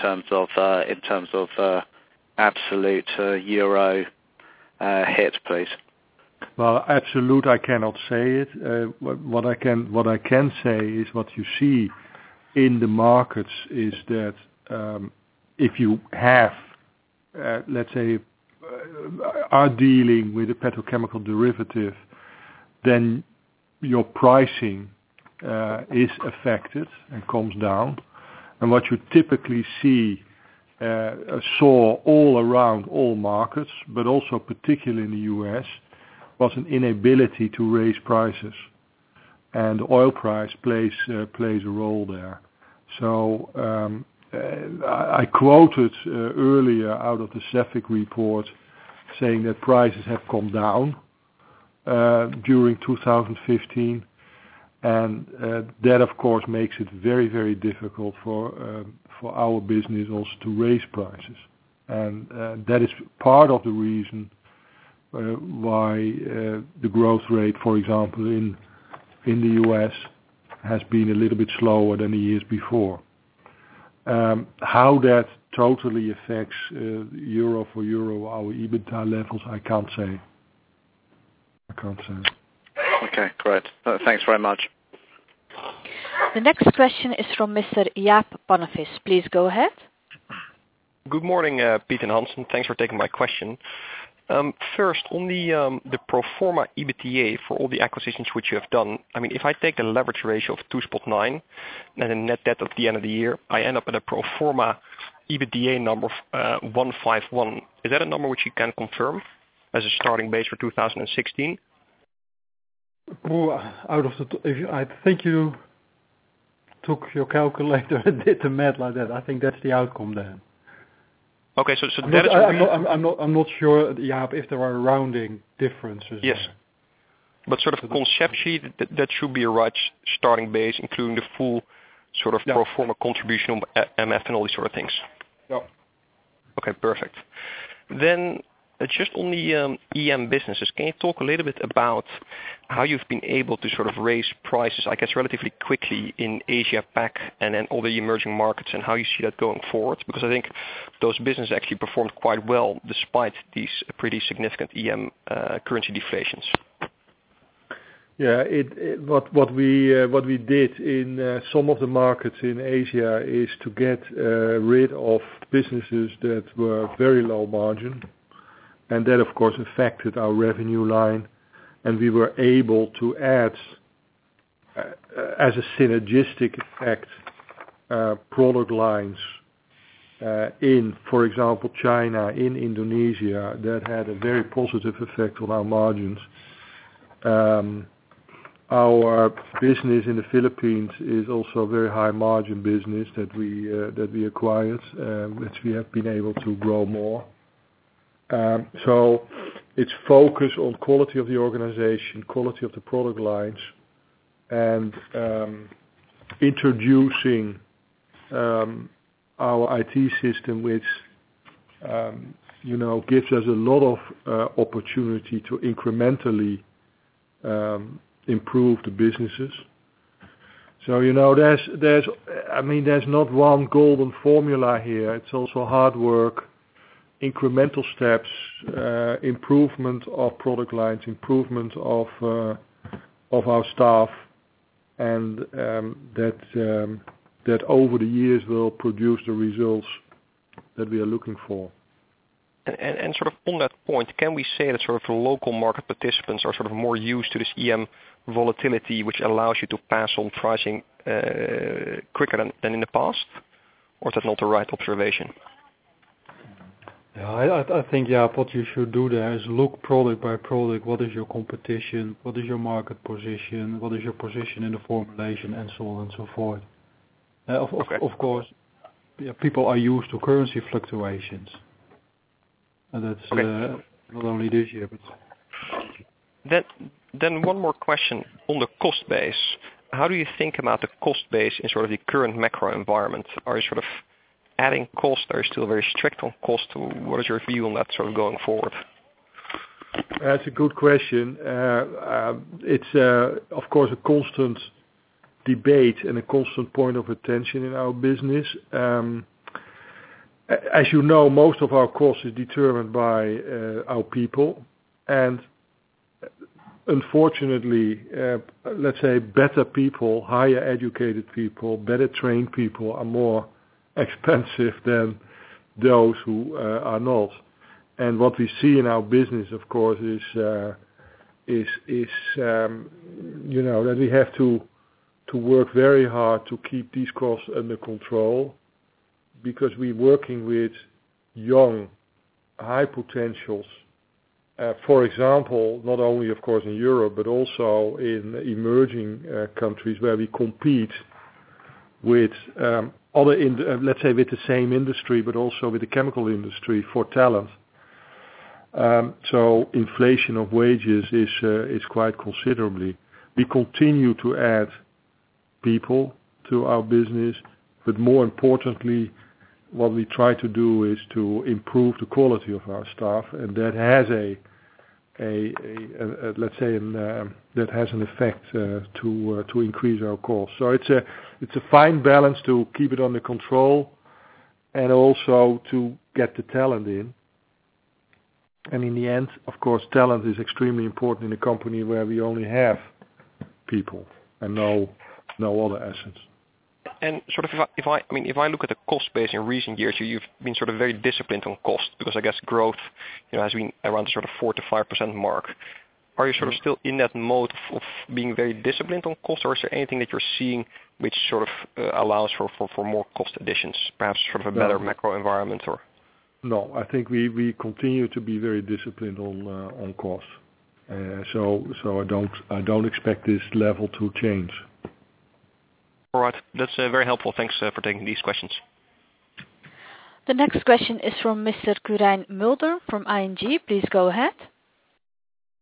terms of absolute EUR hit, please? Well, absolute, I cannot say it. What I can say is what you see in the markets is that, if you have, let's say, are dealing with a petrochemical derivative, then your pricing is affected and comes down. What you typically saw all around all markets, but also particularly in the U.S., was an inability to raise prices. Oil price plays a role there. I quoted earlier out of the CEFIC report saying that prices have come down during 2015. That of course, makes it very, very difficult for our business also to raise prices. That is part of the reason why the growth rate, for example, in the U.S. has been a little bit slower than the years before. How that totally affects EUR for EUR, our EBITA levels, I can't say. Okay, great. Thanks very much. The next question is from Mr. Jaap Pannevis. Please go ahead. Good morning, Piet and Hans. Thanks for taking my question. First, on the pro forma EBITDA for all the acquisitions which you have done. If I take a leverage ratio of 2.9, and a net debt of the end of the year, I end up at a pro forma EBITDA number of 151. Is that a number which you can confirm as a starting base for 2016? Out of the top, I think you took your calculator and did the math like that. I think that's the outcome then. Okay. I'm not sure, Jaap, if there are rounding differences there. Yes. Sort of conceptually, that should be a right starting base, including the full sort of pro forma contribution of MF and all these sort of things. Yeah. Just on the EM businesses, can you talk a little bit about how you've been able to raise prices, I guess, relatively quickly in Asia PAC and then all the emerging markets, and how you see that going forward? Because I think those businesses actually performed quite well despite these pretty significant EM currency deflations. Yeah. What we did in some of the markets in Asia is to get rid of businesses that were very low margin. That, of course, affected our revenue line. We were able to add, as a synergistic effect, product lines, in, for example, China, in Indonesia, that had a very positive effect on our margins. Our business in the Philippines is also a very high margin business that we acquired, which we have been able to grow more. It's focus on quality of the organization, quality of the product lines, and introducing our IT system, which gives us a lot of opportunity to incrementally improve the businesses. There's not one golden formula here. It's also hard work, incremental steps, improvement of product lines, improvement of our staff, and that over the years will produce the results that we are looking for. Sort of on that point, can we say that local market participants are more used to this EM volatility, which allows you to pass on pricing quicker than in the past? Or is that not the right observation? I think, Jaap, what you should do there is look product by product. What is your competition? What is your market position? What is your position in the formulation? So on and so forth. Okay. Of course, people are used to currency fluctuations. Okay. That's not only this year. One more question on the cost base. How do you think about the cost base in sort of the current macro environment? Are you adding cost there? Still very strict on cost? What is your view on that going forward? That's a good question. It's, of course, a constant debate and a constant point of attention in our business. As you know, most of our cost is determined by our people, unfortunately, let's say better people, higher educated people, better trained people are more expensive than those who are not. What we see in our business, of course, is that we have to work very hard to keep these costs under control because we're working with young high potentials. For example, not only of course in Europe, but also in emerging countries where we compete with, let's say, with the same industry, but also with the chemical industry for talent. Inflation of wages is quite considerable. We continue to add people to our business, more importantly, what we try to do is to improve the quality of our staff, and that has an effect to increase our costs. It's a fine balance to keep it under control and also to get the talent in. In the end, of course, talent is extremely important in a company where we only have people and no other assets. If I look at the cost base in recent years, you've been very disciplined on cost because I guess growth has been around the 4%-5% mark. Are you still in that mode of being very disciplined on cost, or is there anything that you're seeing which allows for more cost additions, perhaps from a better macro environment or? No, I think we continue to be very disciplined on cost. I don't expect this level to change. All right. That's very helpful. Thanks for taking these questions. The next question is from Mr. Quirijn Mulder from ING. Please go ahead.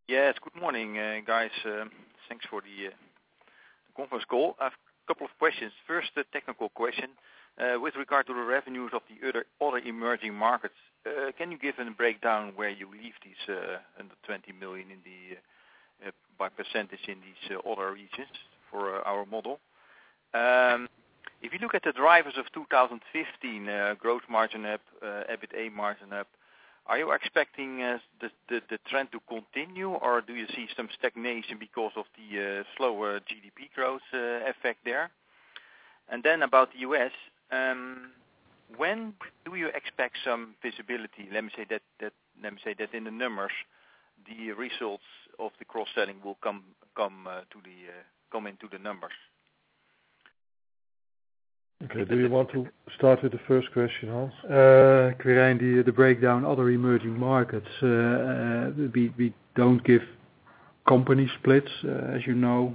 Yes. Good morning, guys. Thanks for the conference call. I have a couple of questions. First, a technical question. With regard to the revenues of the other emerging markets, can you give a breakdown where you leave these under 20 million by percentage in these other regions for our model? If you look at the drivers of 2015 growth margin up, EBITDA margin up, are you expecting the trend to continue or do you see some stagnation because of the slower GDP growth effect there? About the U.S., when do you expect some visibility? Let me say that in the numbers, the results of the cross-selling will come into the numbers. Okay. Do you want to start with the first question, Hans? Quirijn, the breakdown other emerging markets, we don't give. Company splits, as you know.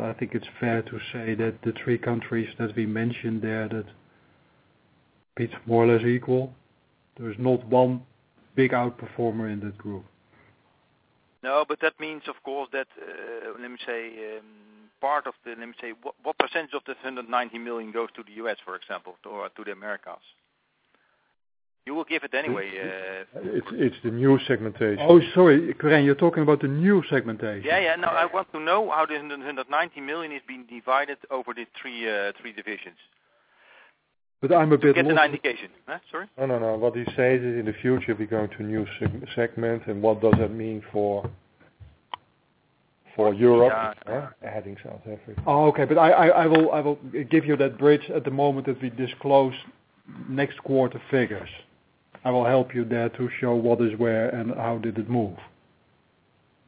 I think it's fair to say that the three countries that we mentioned there, that it's more or less equal. There is not one big outperformer in that group. That means, of course, let me say, what percentage of the 190 million goes to the U.S., for example, or to the Americas? You will give it anyway. It's the new segmentation. Sorry, Quirijn, you're talking about the new segmentation. I want to know how the 190 million is being divided over the three divisions. I'm a bit. To get an indication. Sorry? No. What he says is, in the future, we're going to a new segment and what does that mean for Europe, adding South Africa. Oh, okay. I will give you that bridge at the moment that we disclose next quarter figures. I will help you there to show what is where and how did it move.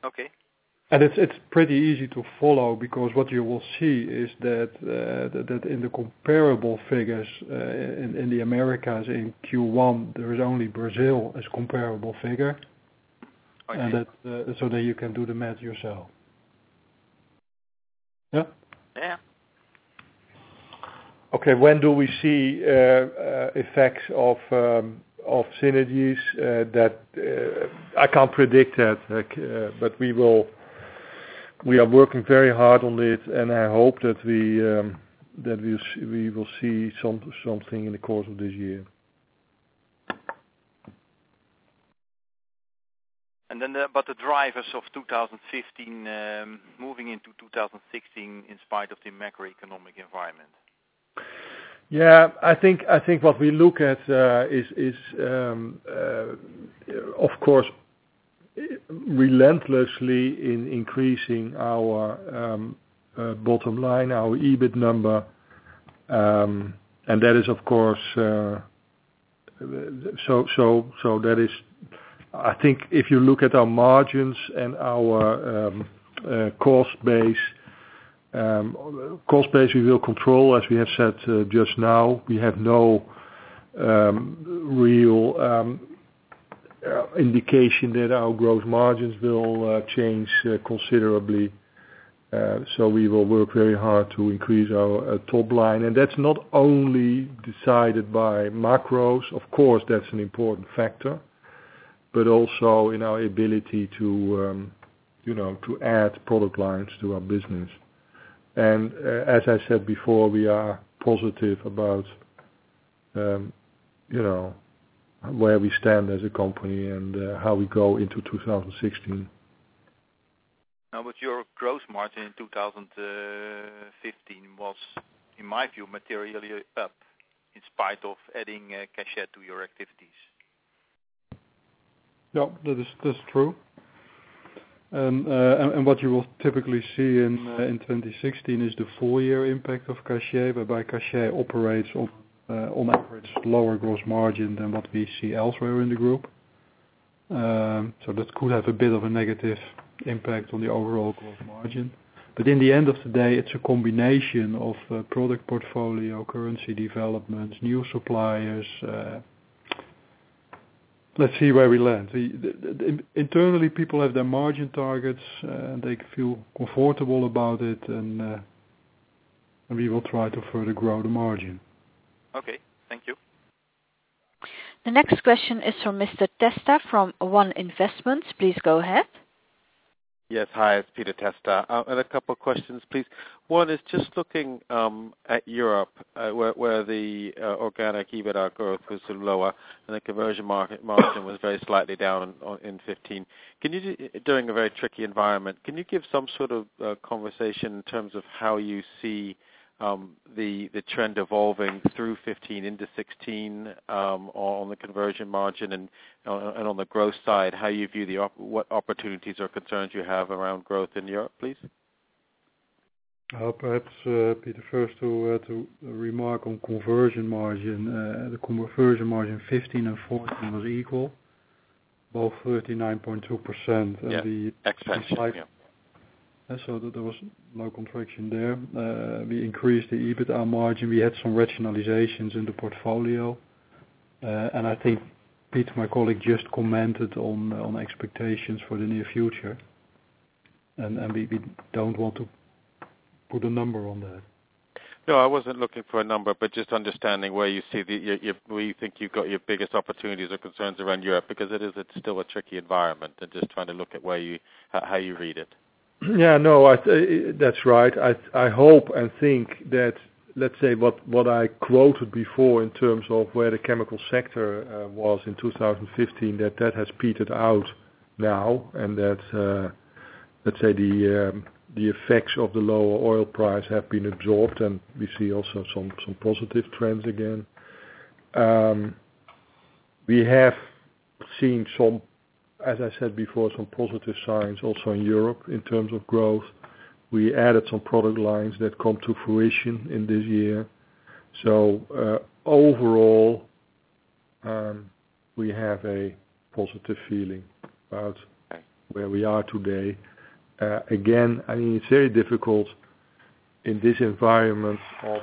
Okay. It's pretty easy to follow because what you will see is that in the comparable figures, in the Americas in Q1, there is only Brazil as comparable figure. I see. You can do the math yourself. Yeah? Yeah. Okay. When do we see effects of synergies? I can't predict that, but we are working very hard on it, and I hope that we will see something in the course of this year. About the drivers of 2015, moving into 2016 in spite of the macroeconomic environment. I think, what we look at is, of course, relentlessly increasing our bottom line, our EBIT number. I think if you look at our margins and our cost base, we will control, as we have said just now. We have no real indication that our gross margins will change considerably. We will work very hard to increase our top line. That's not only decided by macros. Of course, that's an important factor, but also in our ability to add product lines to our business. As I said before, we are positive about where we stand as a company and how we go into 2016. With your gross margin in 2015 was, in my view, materially up in spite of adding Cachat to your activities. That's true. What you will typically see in 2016 is the full year impact of Cachat. Cachat operates on average lower gross margin than what we see elsewhere in the group. That could have a bit of a negative impact on the overall gross margin. In the end of the day, it's a combination of product portfolio, currency developments, new suppliers. Let's see where we land. Internally, people have their margin targets. They feel comfortable about it, and we will try to further grow the margin. Thank you. The next question is from Mr. Testa from One Investments. Please go ahead. Yes. Hi, it's Peter Testa. I had a couple questions, please. One is just looking at Europe, where the organic EBITDA growth was lower and the conversion margin was very slightly down in 2015. During a very tricky environment, can you give some sort of conversation in terms of how you see the trend evolving through 2015 into 2016, on the conversion margin and on the growth side, what opportunities or concerns you have around growth in Europe, please? Perhaps, Peter, first to remark on conversion margin. The conversion margin 2015 and 2014 was equal, both 39.2%. Yeah. Exactly. Yeah. There was no contraction there. We increased the EBITDA margin. We had some rationalizations in the portfolio. I think, Peter, my colleague, just commented on expectations for the near future, and we don't want to put a number on that. I wasn't looking for a number, just understanding where you think you've got your biggest opportunities or concerns around Europe, it is still a tricky environment and just trying to look at how you read it. That's right. I hope and think that what I quoted before in terms of where the chemical sector was in 2015, that has petered out now and that the effects of the lower oil price have been absorbed. We see also some positive trends again. We have seen, as I said before, some positive signs also in Europe in terms of growth. We added some product lines that come to fruition in this year. Overall, we have a positive feeling about where we are today. Again, it's very difficult in this environment of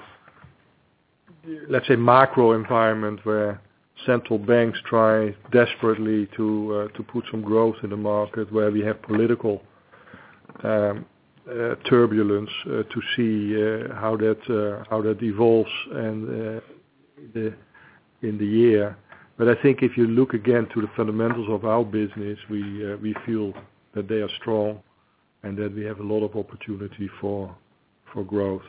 macro environment where central banks try desperately to put some growth in the market, where we have political turbulence to see how that evolves in the year. I think if you look again to the fundamentals of our business, we feel that they are strong and that we have a lot of opportunity for growth.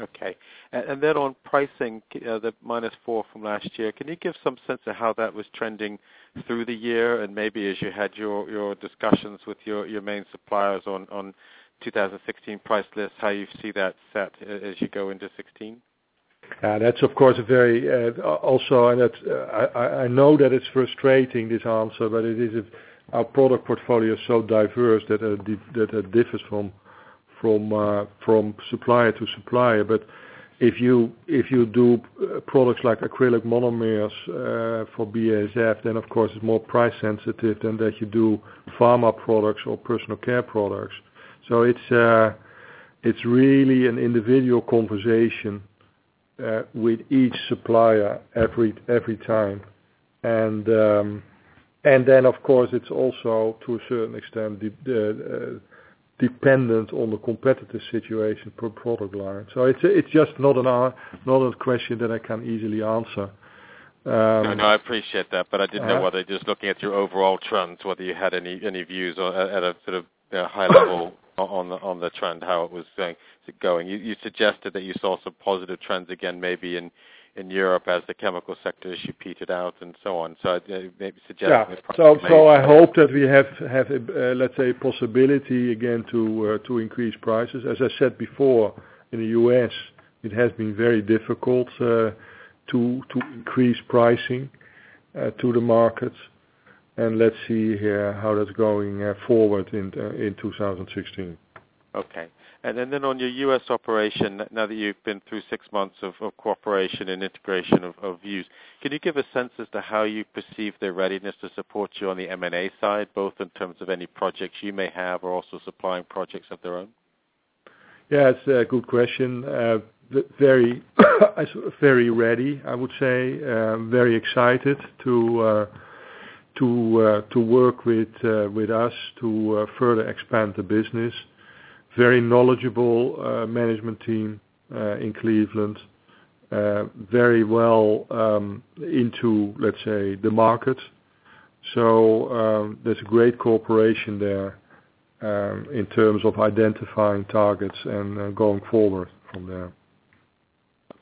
Okay. On pricing, the minus four from last year. Can you give some sense of how that was trending through the year and maybe as you had your discussions with your main suppliers on 2016 price lists, how you see that set as you go into 2016? I know that it's frustrating, this answer, but our product portfolio is so diverse that it differs from supplier to supplier. If you do products like acrylic monomers for BASF, then of course it's more price sensitive than if you do pharma products or personal care products. It's really an individual conversation with each supplier every time. Of course, it's also to a certain extent, dependent on the competitive situation per product line. It's just not a question that I can easily answer. No, I appreciate that. I didn't know whether, just looking at your overall trends, whether you had any views or at a sort of high level on the trend, how it was going. You suggested that you saw some positive trends again, maybe in Europe as the chemical sector issue petered out and so on. Maybe suggesting- Yeah. I hope that we have, let's say, possibility again, to increase prices. As I said before, in the U.S., it has been very difficult to increase pricing to the markets, and let's see how that's going forward in 2016. Okay. Then on your U.S. operation, now that you've been through six months of cooperation and integration of views, can you give a sense as to how you perceive their readiness to support you on the M&A side, both in terms of any projects you may have or also supplying projects of their own? Yeah, it's a good question. Very ready, I would say. Very excited to work with us to further expand the business. Very knowledgeable management team in Cleveland. Very well into, let's say, the market. There's great cooperation there in terms of identifying targets and going forward from there.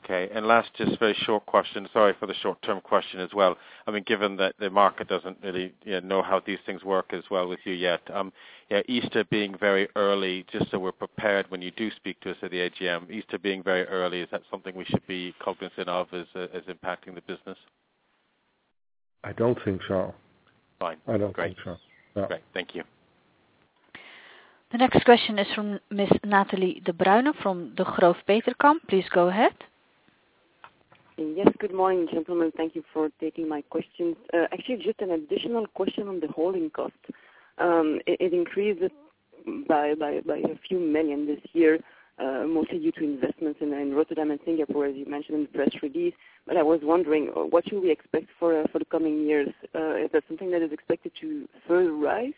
Okay, last, just a very short question. Sorry for the short-term question as well. Given that the market doesn't really know how these things work as well with you yet. Easter being very early, just so we're prepared when you do speak to us at the AGM. Easter being very early, is that something we should be cognizant of as impacting the business? I don't think so. Fine. I don't think so. Great. Thank you. The next question is from Ms. Nathalie de Bruyn from Degroof Petercam. Please go ahead. Yes. Good morning, gentlemen. Thank you for taking my questions. Actually, just an additional question on the holding cost. It increased by a few million this year, mostly due to investments in Rotterdam and Singapore, as you mentioned in the press release. I was wondering, what should we expect for the coming years? Is that something that is expected to further rise,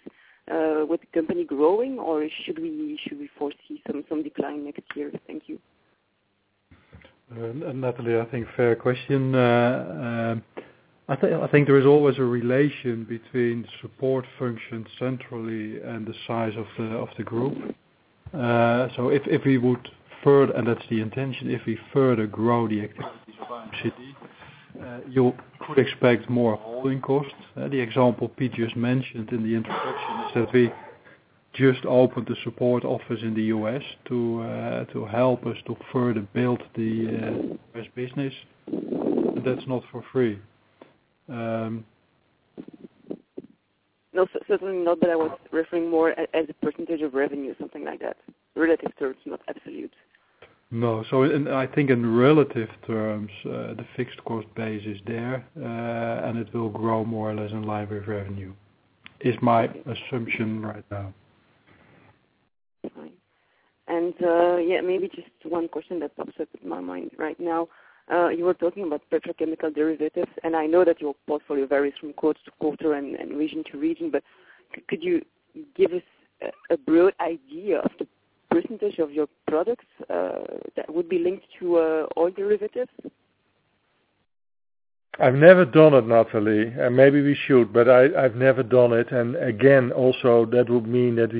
with the company growing, or should we foresee some decline next year? Thank you. Nathalie, I think fair question. I think there is always a relation between support functions centrally and the size of the group. If we would further, and that's the intention, if we further grow the activities of IMCD, you could expect more holding costs. The example Piet just mentioned in the introduction is that we just opened a support office in the U.S. to help us to further build the U.S. business. That's not for free. No, certainly not, I was referring more as a percentage of revenue, something like that. Relative terms, not absolute. No. I think in relative terms, the fixed cost base is there, and it will grow more or less in line with revenue, is my assumption right now. Fine. Yeah, maybe just one question that pops up in my mind right now. You were talking about petrochemical derivatives, and I know that your portfolio varies from quarter to quarter and region to region, but could you give us a broad idea of the percentage of your products that would be linked to oil derivatives? I've never done it, Natalie. Maybe we should, but I've never done it. Again, also, that would mean that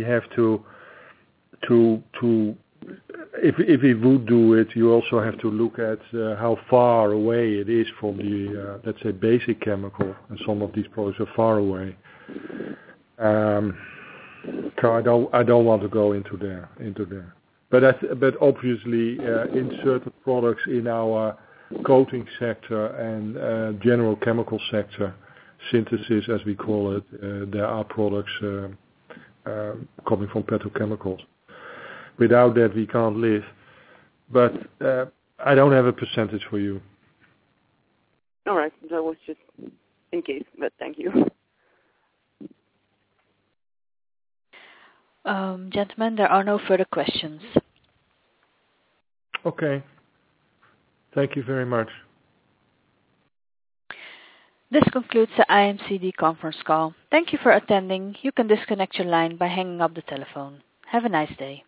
if we would do it, you also have to look at how far away it is from the, let's say, basic chemical, and some of these products are far away. I don't want to go into there. Obviously, in certain products in our coating sector and general chemical sector, synthesis, as we call it, there are products coming from petrochemicals. Without that, we can't live. I don't have a percentage for you. All right. That was just in case, thank you. Gentlemen, there are no further questions. Okay. Thank you very much. This concludes the IMCD conference call. Thank you for attending. You can disconnect your line by hanging up the telephone. Have a nice day.